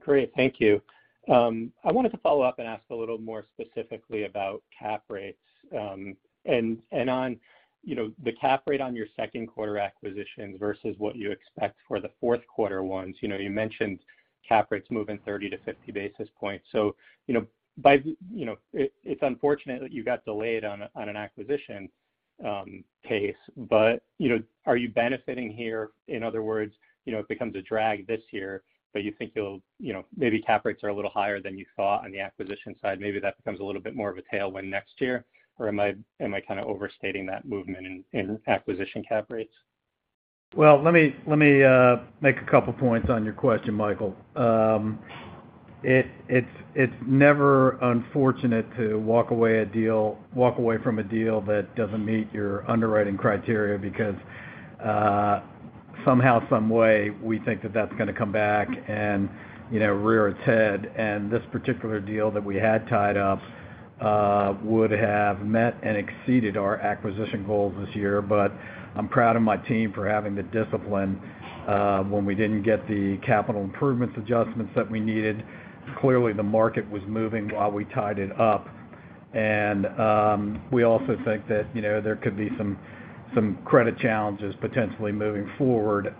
Great. Thank you. I wanted to follow up and ask a little more specifically about cap rates, and on, you know, the cap rate on your Q2 acquisitions versus what you expect for the Q4 ones. You know, you mentioned cap rates moving 30-50 basis points. You know, it's unfortunate that you got delayed on an acquisition case, but, you know, are you benefiting here? In other words, you know, it becomes a drag this year, but you think you'll, you know, maybe cap rates are a little higher than you thought on the acquisition side. Maybe that becomes a little bit more of a tailwind next year. Or am I kind of overstating that movement in acquisition cap rates?
Well, let me make a couple points on your question, Michael. It's never unfortunate to walk away from a deal that doesn't meet your underwriting criteria because somehow, some way, we think that that's going to come back and, you know, rear its head. This particular deal that we had tied up would have met and exceeded our acquisition goals this year. I'm proud of my team for having the discipline when we didn't get the capital improvements adjustments that we needed. Clearly, the market was moving while we tied it up. We also think that, you know, there could be some credit challenges potentially moving forward.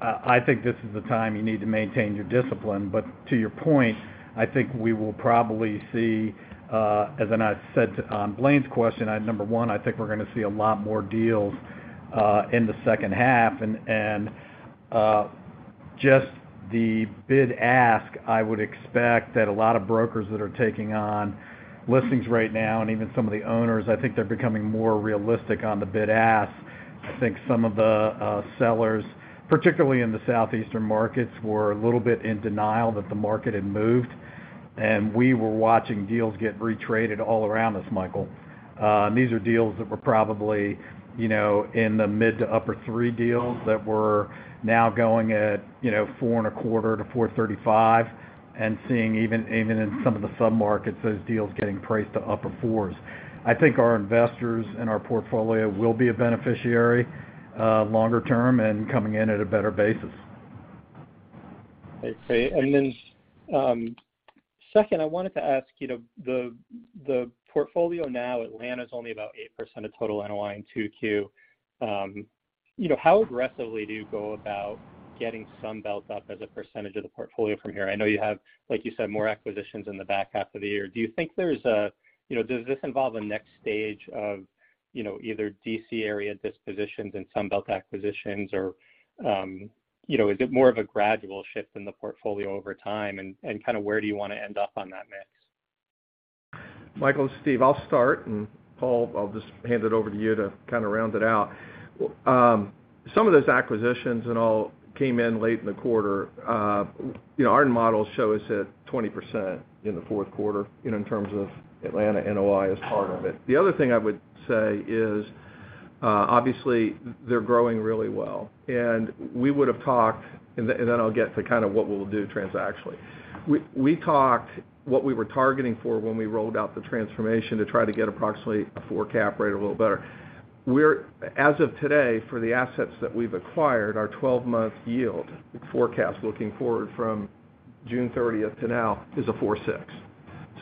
I think this is the time you need to maintain your discipline. To your point, I think we will probably see, and I said to Blaine's question, number one, I think we're going to see a lot more deals in the second half. Just the bid-ask, I would expect that a lot of brokers that are taking on listings right now, and even some of the owners, I think they're becoming more realistic on the bid-ask. I think some of the sellers, particularly in the southeastern markets, were a little bit in denial that the market had moved. We were watching deals get retraded all around us, Michael. These are deals that were probably, you know, in the mid- to upper 3% deals that were now going at, you know, 4.25%-4.35%, and seeing even in some of the sub-markets, those deals getting priced to upper 4s. I think our investors and our portfolio will be a beneficiary longer-term and coming in at a better basis.
I see. Second, I wanted to ask you, the portfolio now, Atlanta's only about 8% of total NOI in 2Q. You know, how aggressively do you go about getting Sunbelt up as a percentage of the portfolio from here? I know you have, like you said, more acquisitions in the back half of the year. Do you think there's a next stage of, you know, either D.C. area dispositions and Sunbelt acquisitions or, you know, is it more of a gradual shift in the portfolio over time, and kind of where do you want to end up on that mix?
Michael, Steve, I'll start, and Paul, I'll just hand it over to you to kind of round it out. Some of those acquisitions and all came in late in the quarter. Our models show us at 20% in the Q4, you know, in terms of Atlanta NOI as part of it. The other thing I would say is, obviously, they're growing really well. We would've talked, and then I'll get to kind of what we'll do transactionally. We talked what we were targeting for when we rolled out the transformation to try to get approximately a four cap rate, a little better. As of today, for the assets that we've acquired, our 12-month yield forecast looking forward from June 30th to now is a 4.6.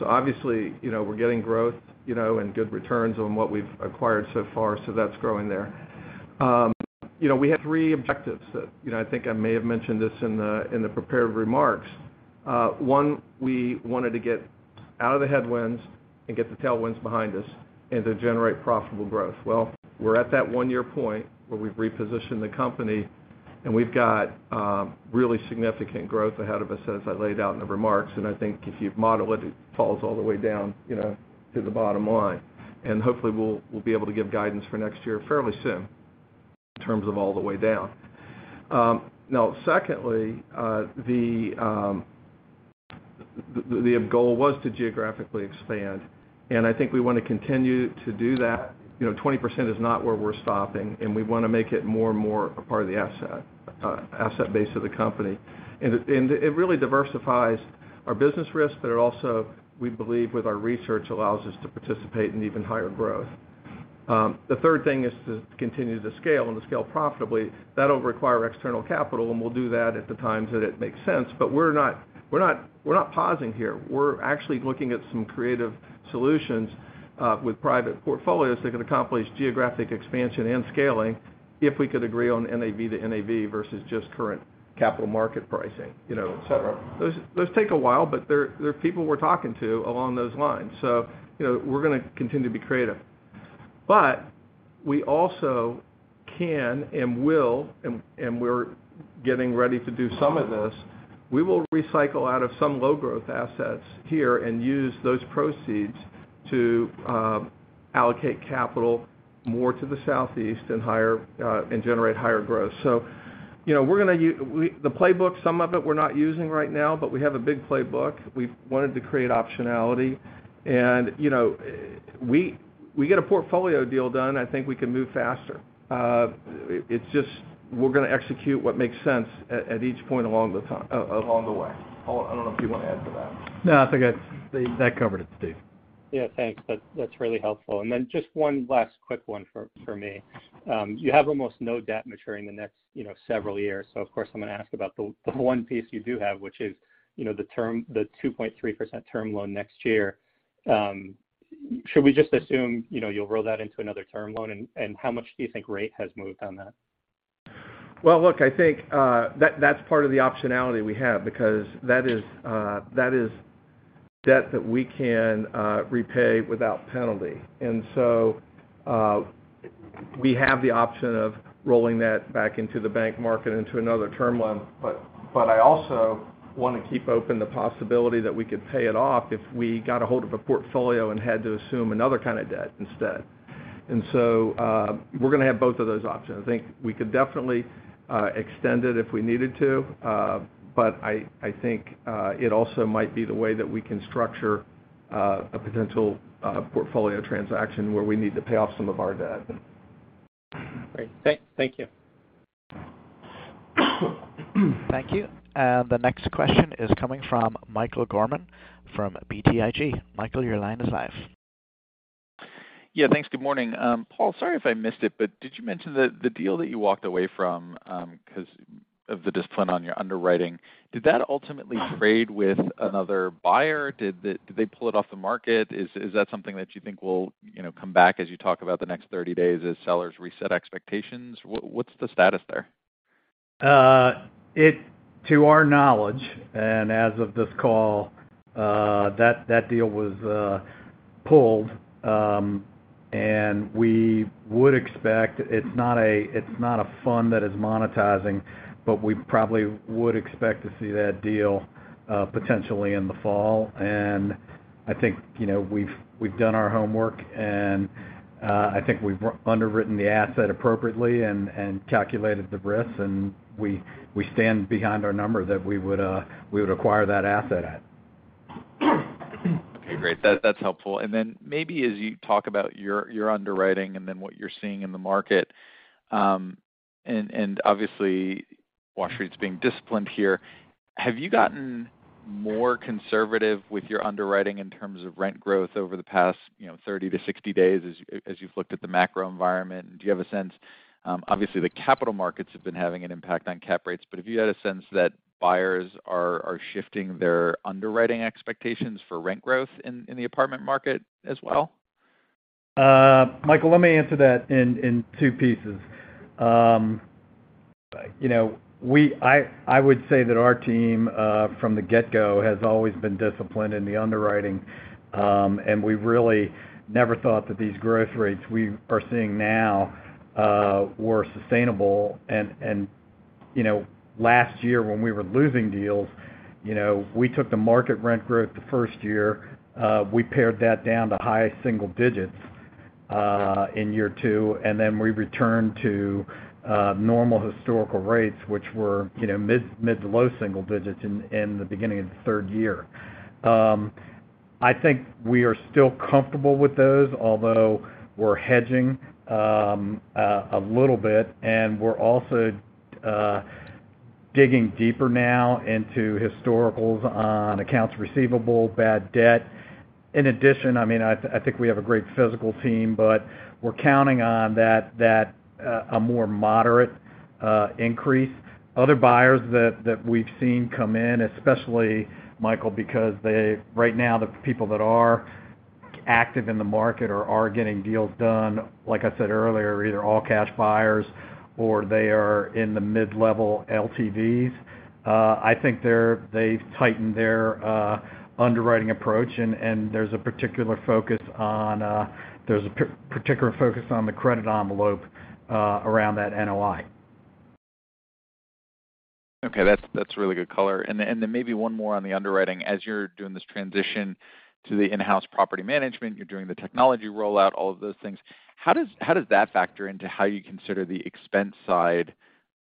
Obviously, you know, we're getting growth, you know, and good returns on what we've acquired so far, so that's growing there. You know, we had three objectives that, you know, I think I may have mentioned this in the prepared remarks. One, we wanted to get out of the headwinds and get the tailwinds behind us and to generate profitable growth. Well, we're at that one-year point where we've repositioned the company, and we've got really significant growth ahead of us, as I laid out in the remarks. I think if you model it falls all the way down, you know, to the bottom line. Hopefully, we'll be able to give guidance for next year fairly soon in terms of all the way down. Now, secondly, the goal was to geographically expand, and I think we want to continue to do that. You know, 20% is not where we're stopping, and we want to make it more and more a part of the asset base of the company. It really diversifies our business risk, but it also, we believe, with our research, allows us to participate in even higher growth. The third thing is to continue to scale and to scale profitably. That'll require external capital, and we'll do that at the times that it makes sense. We're not pausing here. We're actually looking at some creative solutions with private portfolios that can accomplish geographic expansion and scaling if we could agree on NAV to NAV versus just current capital market pricing, you know, et cetera. Those take a while, but there are people we're talking to along those lines. You know, we're going to continue to be creative. We also can and will, and we're getting ready to do some of this, we will recycle out of some low-growth assets here and use those proceeds to allocate capital more to the southeast and higher and generate higher growth. You know, The playbook, some of it we're not using right now, but we have a big playbook. We've wanted to create optionality. You know, we get a portfolio deal done, I think we can move faster. It's just, we're going to execute what makes sense at each point along the way. Paul, I don't know if you want to add to that.
No, I think that covered it, Steve.
Yeah, thanks. That's really helpful. Just one last quick one for me. You have almost no debt maturing in the next, you know, several years. Of course, I'm going to ask about the one piece you do have, which is, you know, the 2.3% term loan next year. Should we just assume, you know, you'll roll that into another term loan, and how much do you think rate has moved on that?
Well, look, I think that's part of the optionality we have because that is debt that we can repay without penalty. We have the option of rolling that back into the bank market into another term loan. I also want to keep open the possibility that we could pay it off if we got a hold of a portfolio and had to assume another kind of debt instead. We're going to have both of those options. I think we could definitely extend it if we needed to. I think it also might be the way that we can structure a potential portfolio transaction where we need to pay off some of our debt.
Great. Thank you.
Thank you. The next question is coming from Michael Gorman from BTIG. Michael, your line is live.
Yeah, thanks. Good morning. Paul, sorry if I missed it, but did you mention the deal that you walked away from 'cause of the discipline on your underwriting? Did that ultimately trade with another buyer? Did they pull it off the market? Is that something that you think will, you know, come back as you talk about the next 30 days as sellers reset expectations? What's the status there?
To our knowledge, and as of this call, that deal was pulled. We would expect it's not a fund that is monetizing, but we probably would expect to see that deal potentially in the fall. I think, you know, we've done our homework, and I think we've underwritten the asset appropriately and calculated the risks, and we stand behind our number that we would acquire that asset at.
Okay, great. That's helpful. Maybe as you talk about your underwriting and what you're seeing in the market, and obviously, Wall Street's being disciplined here. Have you gotten more conservative with your underwriting in terms of rent growth over the past, you know, 30-60 days as you've looked at the macro environment? Do you have a sense? Obviously, the capital markets have been having an impact on cap rates, but have you had a sense that buyers are shifting their underwriting expectations for rent growth in the apartment market as well?
Michael, let me answer that in two pieces. You know, I would say that our team from the get-go has always been disciplined in the underwriting, and we really never thought that these growth rates we are seeing now were sustainable. You know, last year when we were losing deals, you know, we took the market rent growth the first year, we paired that down to high single-digits in year two, and then we returned to normal historical rates, which were, you know, mid- to low single-digits in the beginning of the third year. I think we are still comfortable with those, although we're hedging a little bit, and we're also digging deeper now into historicals on accounts receivable bad debt. In addition, I mean, I think we have a great fiscal team, but we're counting on a more moderate increase. Other buyers that we've seen come in, especially Michael, because right now the people that are active in the market or are getting deals done, like I said earlier, are either all cash buyers or they are in the mid-level LTVs. I think they've tightened their underwriting approach and there's a particular focus on the credit envelope around that NOI.
Okay. That's really good color. Maybe one more on the underwriting. As you're doing this transition to the in-house property management, you're doing the technology rollout, all of those things. How does that factor into how you consider the expense side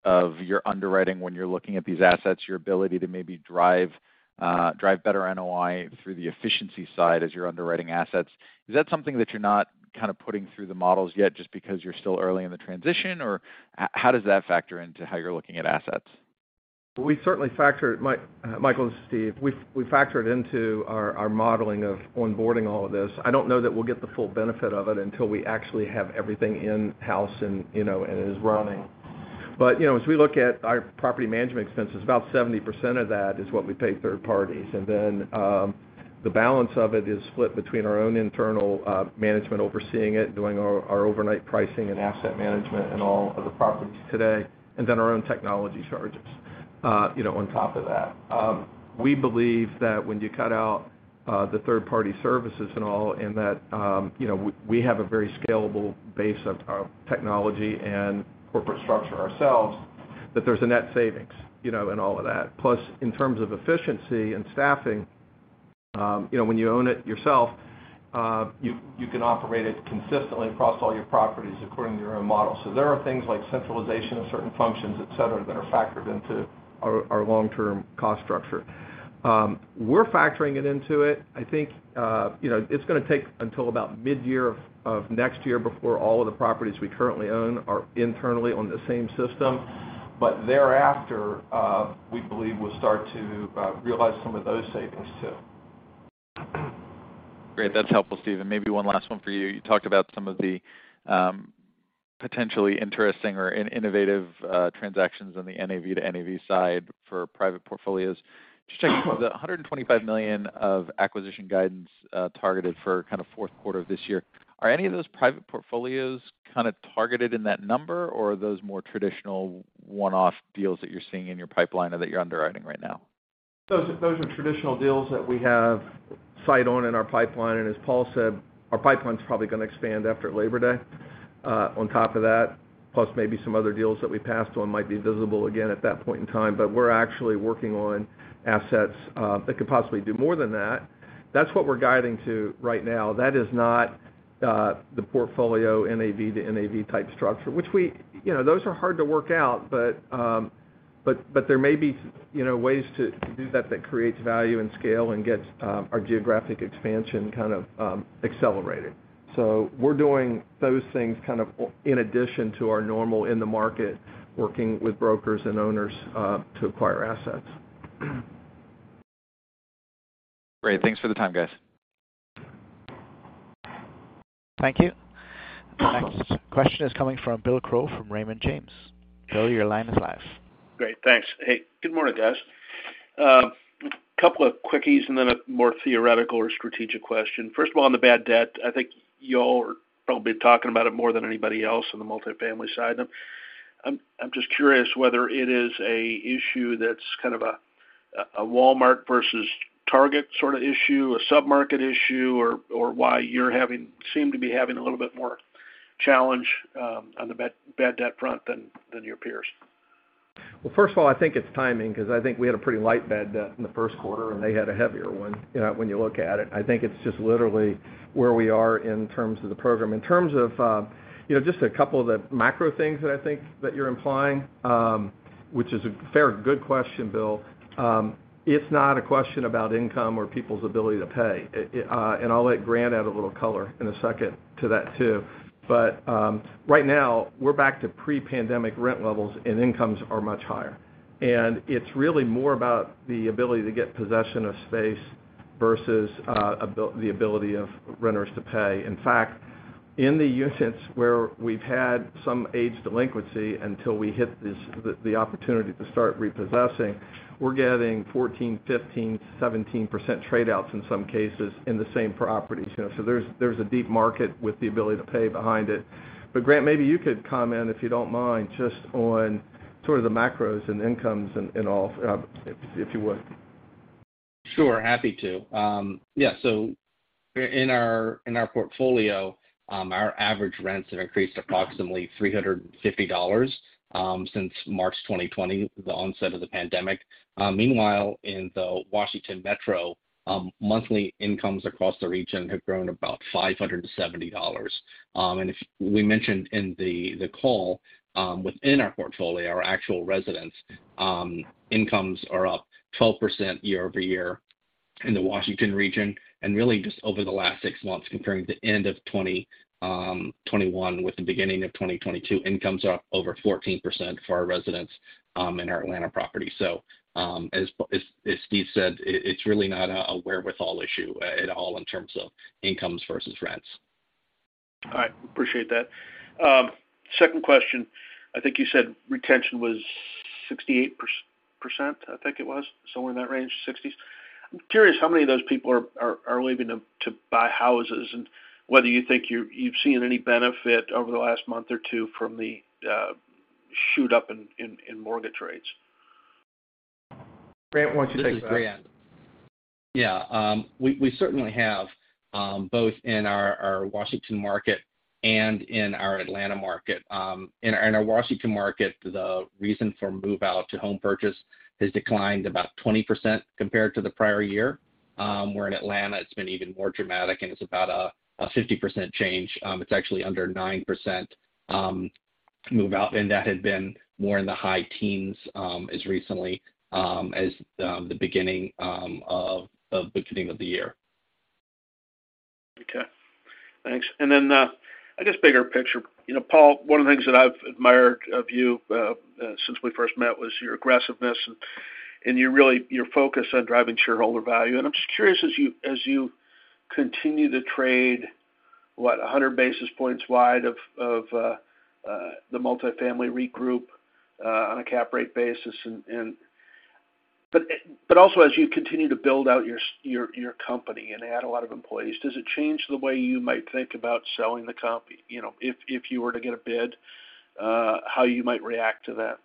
of your underwriting when you're looking at these assets, your ability to maybe drive better NOI through the efficiency side as you're underwriting assets? Is that something that you're not kind of putting through the models yet just because you're still early in the transition, or how does that factor into how you're looking at assets?
We certainly factor it, Michael and Steve, we factor it into our modeling of onboarding all of this. I don't know that we'll get the full benefit of it until we actually have everything in-house and, you know, and is running. You know, as we look at our property management expenses, about 70% of that is what we pay third parties. Then, the balance of it is split between our own internal management overseeing it, doing our overnight pricing and asset management and all of the properties today, and then our own technology charges, you know, on top of that. We believe that when you cut out the third-party services and all in that, you know, we have a very scalable base of technology and corporate structure ourselves, that there's a net savings, you know, in all of that. Plus, in terms of efficiency and staffing, you know, when you own it yourself, you can operate it consistently across all your properties according to your own model. There are things like centralization of certain functions, et cetera, that are factored into our long-term cost structure. We're factoring it into it. I think, you know, it's going to take until about mid-year of next year before all of the properties we currently own are internally on the same system. Thereafter, we believe we'll start to realize some of those savings too.
Great. That's helpful, Steven. Maybe one last one for you. You talked about some of the potentially interesting or innovative transactions on the NAV to NAV side for private portfolios. Just checking, the $125 million of acquisition guidance targeted for kind of Q4 of this year, are any of those private portfolios kind of targeted in that number, or are those more traditional one-off deals that you're seeing in your pipeline or that you're underwriting right now?
Those are traditional deals that we have sight on in our pipeline, and as Paul said, our pipeline's probably going to expand after Labor Day. On top of that, plus maybe some other deals that we passed on might be visible again at that point in time. We're actually working on assets that could possibly do more than that. That's what we're guiding to right now. That is not the portfolio NAV to NAV type structure, which we you know, those are hard to work out, but there may be you know, ways to do that that creates value and scale and gets our geographic expansion kind of accelerated. We're doing those things kind of in addition to our normal in the market, working with brokers and owners to acquire assets.
Great. Thanks for the time, guys.
Thank you. Next question is coming from Bill Crow from Raymond James. Bill, your line is live.
Great. Thanks. Hey, good morning, guys. Couple of quickies and then a more theoretical or strategic question. First of all, on the bad debt, I think y'all are probably talking about it more than anybody else on the multifamily side. I'm just curious whether it is an issue that's kind of a Walmart versus Target sort of issue, a sub-market issue, or why you seem to be having a little bit more challenge on the bad debt front than your peers.
Well, first of all, I think it's timing because I think we had a pretty light bad debt in the Q1, and they had a heavier one, you know, when you look at it. I think it's just literally where we are in terms of the program. In terms of, you know, just a couple of the macro things that I think that you're implying, which is a fair, good question, Bill. It's not a question about income or people's ability to pay. I'll let Grant add a little color in a second to that, too. Right now, we're back to pre-pandemic rent levels, and incomes are much higher. It's really more about the ability to get possession of space versus the ability of renters to pay. In fact, in the units where we've had some aged delinquency until we hit this, the opportunity to start repossessing, we're getting 14, 15, 17% trade-outs in some cases in the same properties. You know, so there's a deep market with the ability to pay behind it. But Grant, maybe you could comment, if you don't mind, just on sort of the macros and incomes and all, if you would.
Sure. Happy to. Yeah, so in our portfolio, our average rents have increased approximately $350 since March 2020, the onset of the pandemic. Meanwhile, in the Washington Metro, monthly incomes across the region have grown about $570. We mentioned in the call, within our portfolio, our actual residents' incomes are up 12% year-over-year in the Washington region. Really, just over the last six months, comparing the end of 2021 with the beginning of 2022, incomes are up over 14% for our residents in our Atlanta property. As Steve said, it's really not a wherewithal issue at all in terms of incomes versus rents.
All right. Appreciate that. Second question. I think you said retention was 68%, I think it was, somewhere in that range, 60s. I'm curious how many of those people are leaving to buy houses and whether you think you've seen any benefit over the last month or two from the shoot-up in mortgage rates.
Grant, why don't you take that?
This is Grant. Yeah. We certainly have both in our Washington market and in our Atlanta market. In our Washington market, the reason for move-out to home purchase has declined about 20% compared to the prior year. Where in Atlanta, it's been even more dramatic, and it's about a 50% change. It's actually under 9% move-out, and that had been more in the high teens, as recently as the beginning of the year.
Okay. Thanks. Then, I guess bigger picture. You know, Paul, one of the things that I've admired of you since we first met was your aggressiveness and your focus on driving shareholder value. I'm just curious as you continue to trade 100 basis points wide of the multifamily peer group on a cap rate basis and also, as you continue to build out your company and add a lot of employees, does it change the way you might think about selling the company you know, if you were to get a bid, how you might react to that?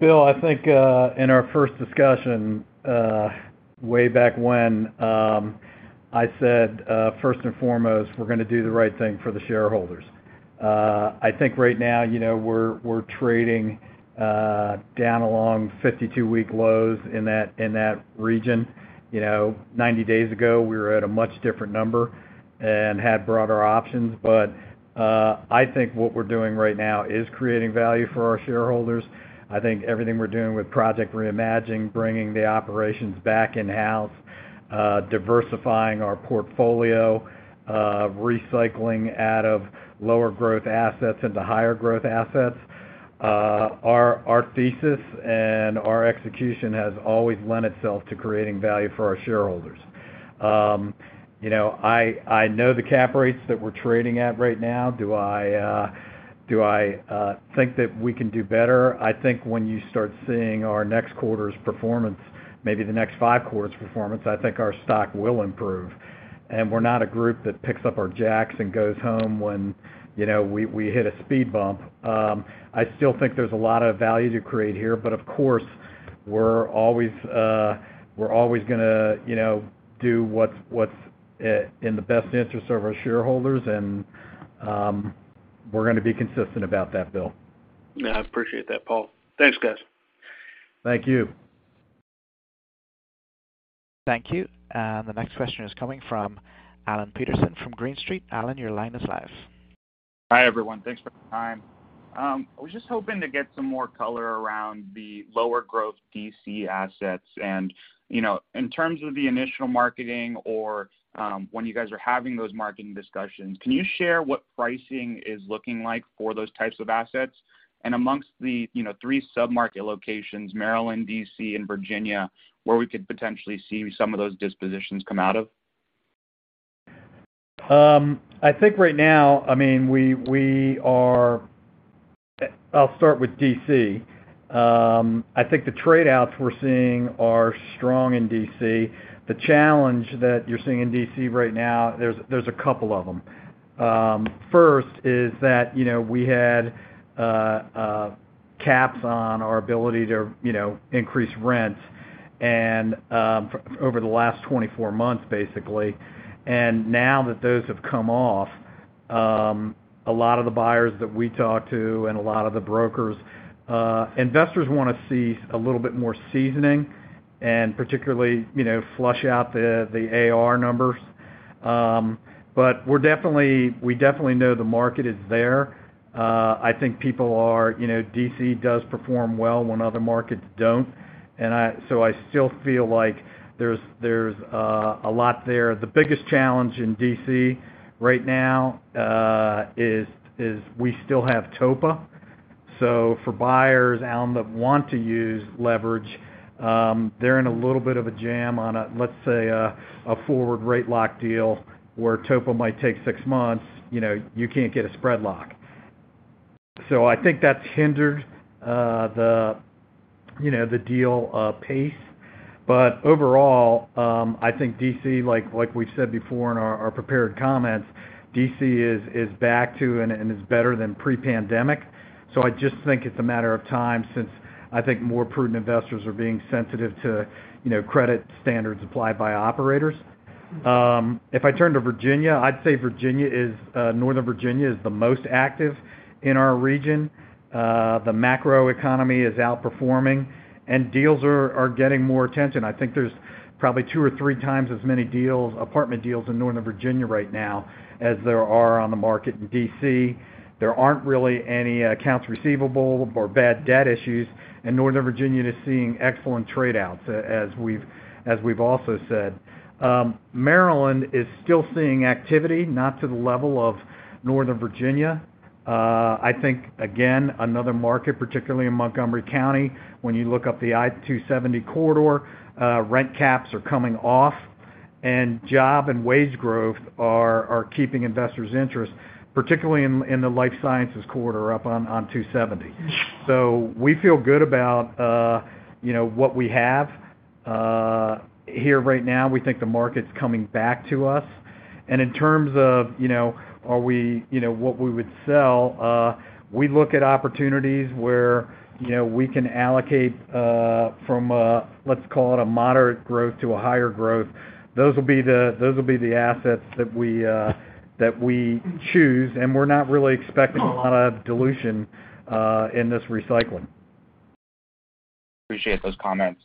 Bill, I think in our first discussion way back when I said first and foremost we're going to do the right thing for the shareholders. I think right now you know we're trading down along 52-week lows in that region. You know 90 days ago we were at a much different number and had broader options. I think what we're doing right now is creating value for our shareholders. I think everything we're doing with Project Reimagine bringing the operations back in-house diversifying our portfolio recycling out of lower growth assets into higher growth assets our thesis and our execution has always lent itself to creating value for our shareholders. You know I know the cap rates that we're trading at right now. Do I think that we can do better? I think when you start seeing our next quarter's performance, maybe the next five quarters' performance, I think our stock will improve. We're not a group that picks up our jacks and goes home when You know, we hit a speed bump. I still think there's a lot of value to create here, but of course, we're always going to, you know, do what's in the best interest of our shareholders. We're going to be consistent about that, Bill.
Yeah, I appreciate that, Paul. Thanks, guys.
Thank you.
Thank you. The next question is coming from Alan Peterson from Green Street. Alan, your line is live.
Hi, everyone. Thanks for the time. I was just hoping to get some more color around the lower growth D.C. assets. You know, in terms of the initial marketing or, when you guys are having those marketing discussions, can you share what pricing is looking like for those types of assets? Among the, you know, three submarket locations, Maryland, D.C., and Virginia, where we could potentially see some of those dispositions come out of?
I think right now, I'll start with D.C. I think the trade-outs we're seeing are strong in D.C. The challenge that you're seeing in D.C. right now, there's a couple of them. First is that, you know, we had caps on our ability to, you know, increase rents and over the last 24 months, basically. Now that those have come off, a lot of the buyers that we talk to and a lot of the brokers, investors want to see a little bit more seasoning and particularly, you know, flesh out the AR numbers. We definitely know the market is there. I think people are, you know, D.C. does perform well when other markets don't, and I still feel like there's a lot there. The biggest challenge in D.C. right now is we still have TOPA. For buyers, Alan, that want to use leverage, they're in a little bit of a jam on a, let's say, a forward rate lock deal where TOPA might take six months, you know, you can't get a spread lock. I think that's hindered, you know, the deal pace. Overall, I think D.C., like we've said before in our prepared comments, D.C. is back to and is better than pre-pandemic. I just think it's a matter of time since I think more prudent investors are being sensitive to, you know, credit standards applied by operators. If I turn to Virginia, I'd say Northern Virginia is the most active in our region. The macroeconomy is outperforming, and deals are getting more attention. I think there's probably two or three times as many deals, apartment deals in Northern Virginia right now as there are on the market in D.C. There aren't really any accounts receivable or bad debt issues, and Northern Virginia is seeing excellent trade-outs, as we've also said. Maryland is still seeing activity, not to the level of Northern Virginia. I think, again, another market, particularly in Montgomery County, when you look up the I-270 corridor, rent caps are coming off and job and wage growth are keeping investors' interest, particularly in the life sciences corridor up on 270. We feel good about, you know, what we have here right now. We think the market's coming back to us. In terms of, you know, are we, you know, what we would sell, we look at opportunities where, you know, we can allocate from a, let's call it a moderate growth to a higher growth. Those will be the assets that we choose, and we're not really expecting a lot of dilution in this recycling.
Appreciate those comments.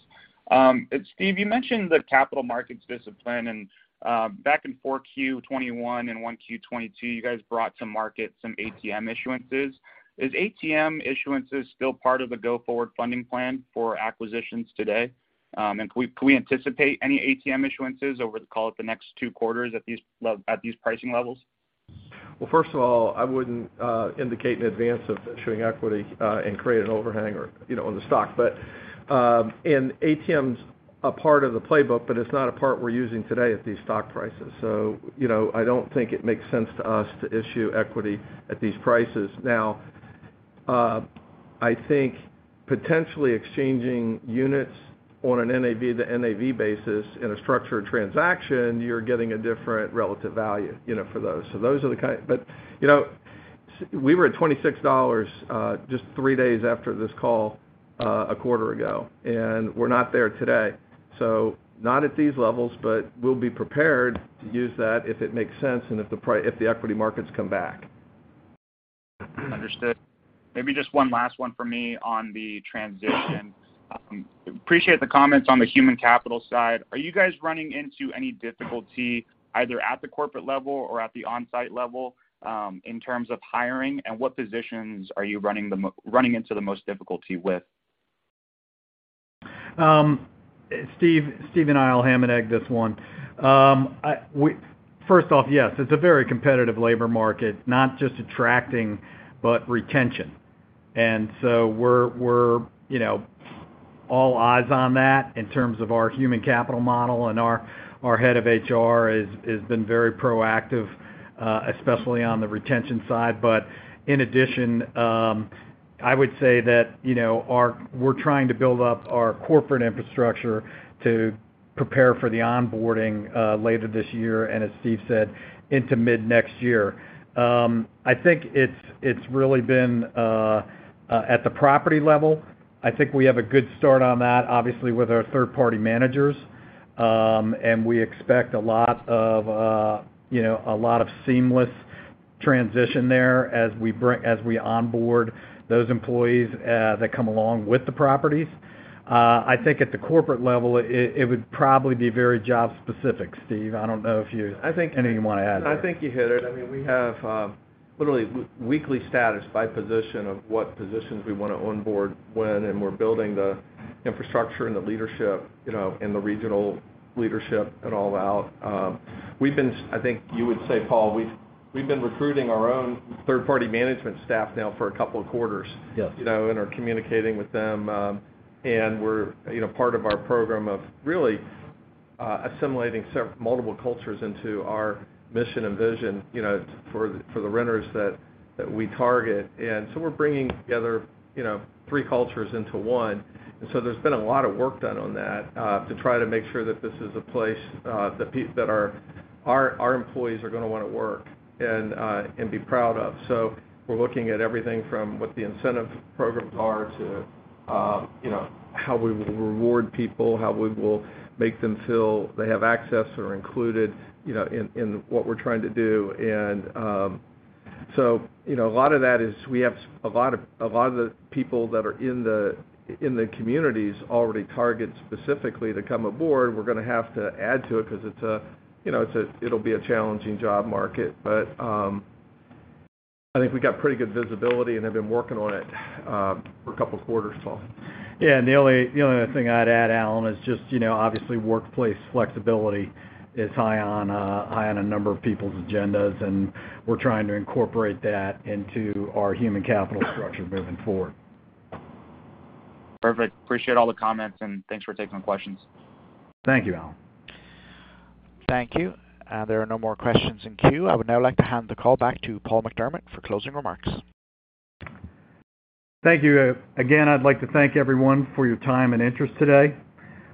Steve, you mentioned the capital markets discipline, and back in 4Q 2021 and 1Q 2022, you guys brought to market some ATM issuances. Is ATM issuances still part of the go-forward funding plan for acquisitions today? And can we anticipate any ATM issuances over, call it, the next two quarters at these pricing levels?
Well, first of all, I wouldn't indicate in advance of issuing equity and create an overhang or, you know, on the stock. ATM's a part of the playbook, but it's not a part we're using today at these stock prices. You know, I don't think it makes sense to us to issue equity at these prices. Now, I think potentially exchanging units on an NAV-to-NAV basis in a structured transaction, you're getting a different relative value, you know, for those. You know, we were at $26 just three days after this call a quarter ago, and we're not there today. Not at these levels, but we'll be prepared to use that if it makes sense and if the equity markets come back.
Understood. Maybe just one last one for me on the transition. Appreciate the comments on the human capital side. Are you guys running into any difficulty, either at the corporate level or at the on-site level, in terms of hiring, and what positions are you running into the most difficulty with?
Steve and I will ham and egg this one. First off, yes, it's a very competitive labor market, not just attracting, but retention. We're, you know, all eyes on that in terms of our human capital model, and our head of HR has been very proactive, especially on the retention side. In addition, I would say that, you know, we're trying to build up our corporate infrastructure to prepare for the onboarding, later this year, and as Steve said, into mid-next year. I think it's really been at the property level, I think we have a good start on that, obviously, with our third-party managers. We expect a lot of, you know, a lot of seamless transition there as we onboard those employees that come along with the properties. I think at the corporate level, it would probably be very job-specific, Steve. I don't know if you-
I think-
Anything you want to add?
No, I think you hit it. I mean, we have literally weekly status by position of what positions we want to onboard when, and we're building the infrastructure and the leadership, you know, and the regional leadership and all out. I think you would say, Paul, we've been recruiting our own third-party management staff now for a couple of quarters.
Yes.
You know are communicating with them. We're part of our program of really assimilating multiple cultures into our mission and vision, you know, for the renters that we target. We're bringing together, you know, three cultures into one. There's been a lot of work done on that to try to make sure that this is a place that our employees are going to want to work and be proud of. We're looking at everything from what the incentive programs are to, you know, how we will reward people, how we will make them feel they have access or included, you know, in what we're trying to do. You know, a lot of that is we have a lot of the people that are in the communities already target specifically to come aboard. We're going to have to add to it 'cause it'll be a challenging job market. I think we've got pretty good visibility, and they've been working on it for a couple quarters, Paul.
Yeah. The only other thing I'd add, Alan, is just, you know, obviously, workplace flexibility is high on, high on a number of people's agendas, and we're trying to incorporate that into our human capital structure moving forward.
Perfect. Appreciate all the comments, and thanks for taking the questions.
Thank you, Alan.
Thank you. There are no more questions in queue. I would now like to hand the call back to Paul McDermott for closing remarks.
Thank you. Again, I'd like to thank everyone for your time and interest today.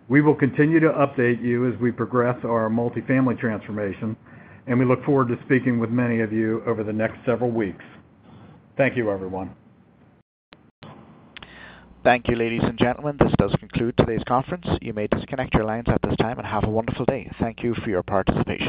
We will continue to update you as we progress our multifamily transformation, and we look forward to speaking with many of you over the next several weeks. Thank you, everyone.
Thank you, ladies and gentlemen. This does conclude today's conference. You may disconnect your lines at this time and have a wonderful day. Thank you for your participation.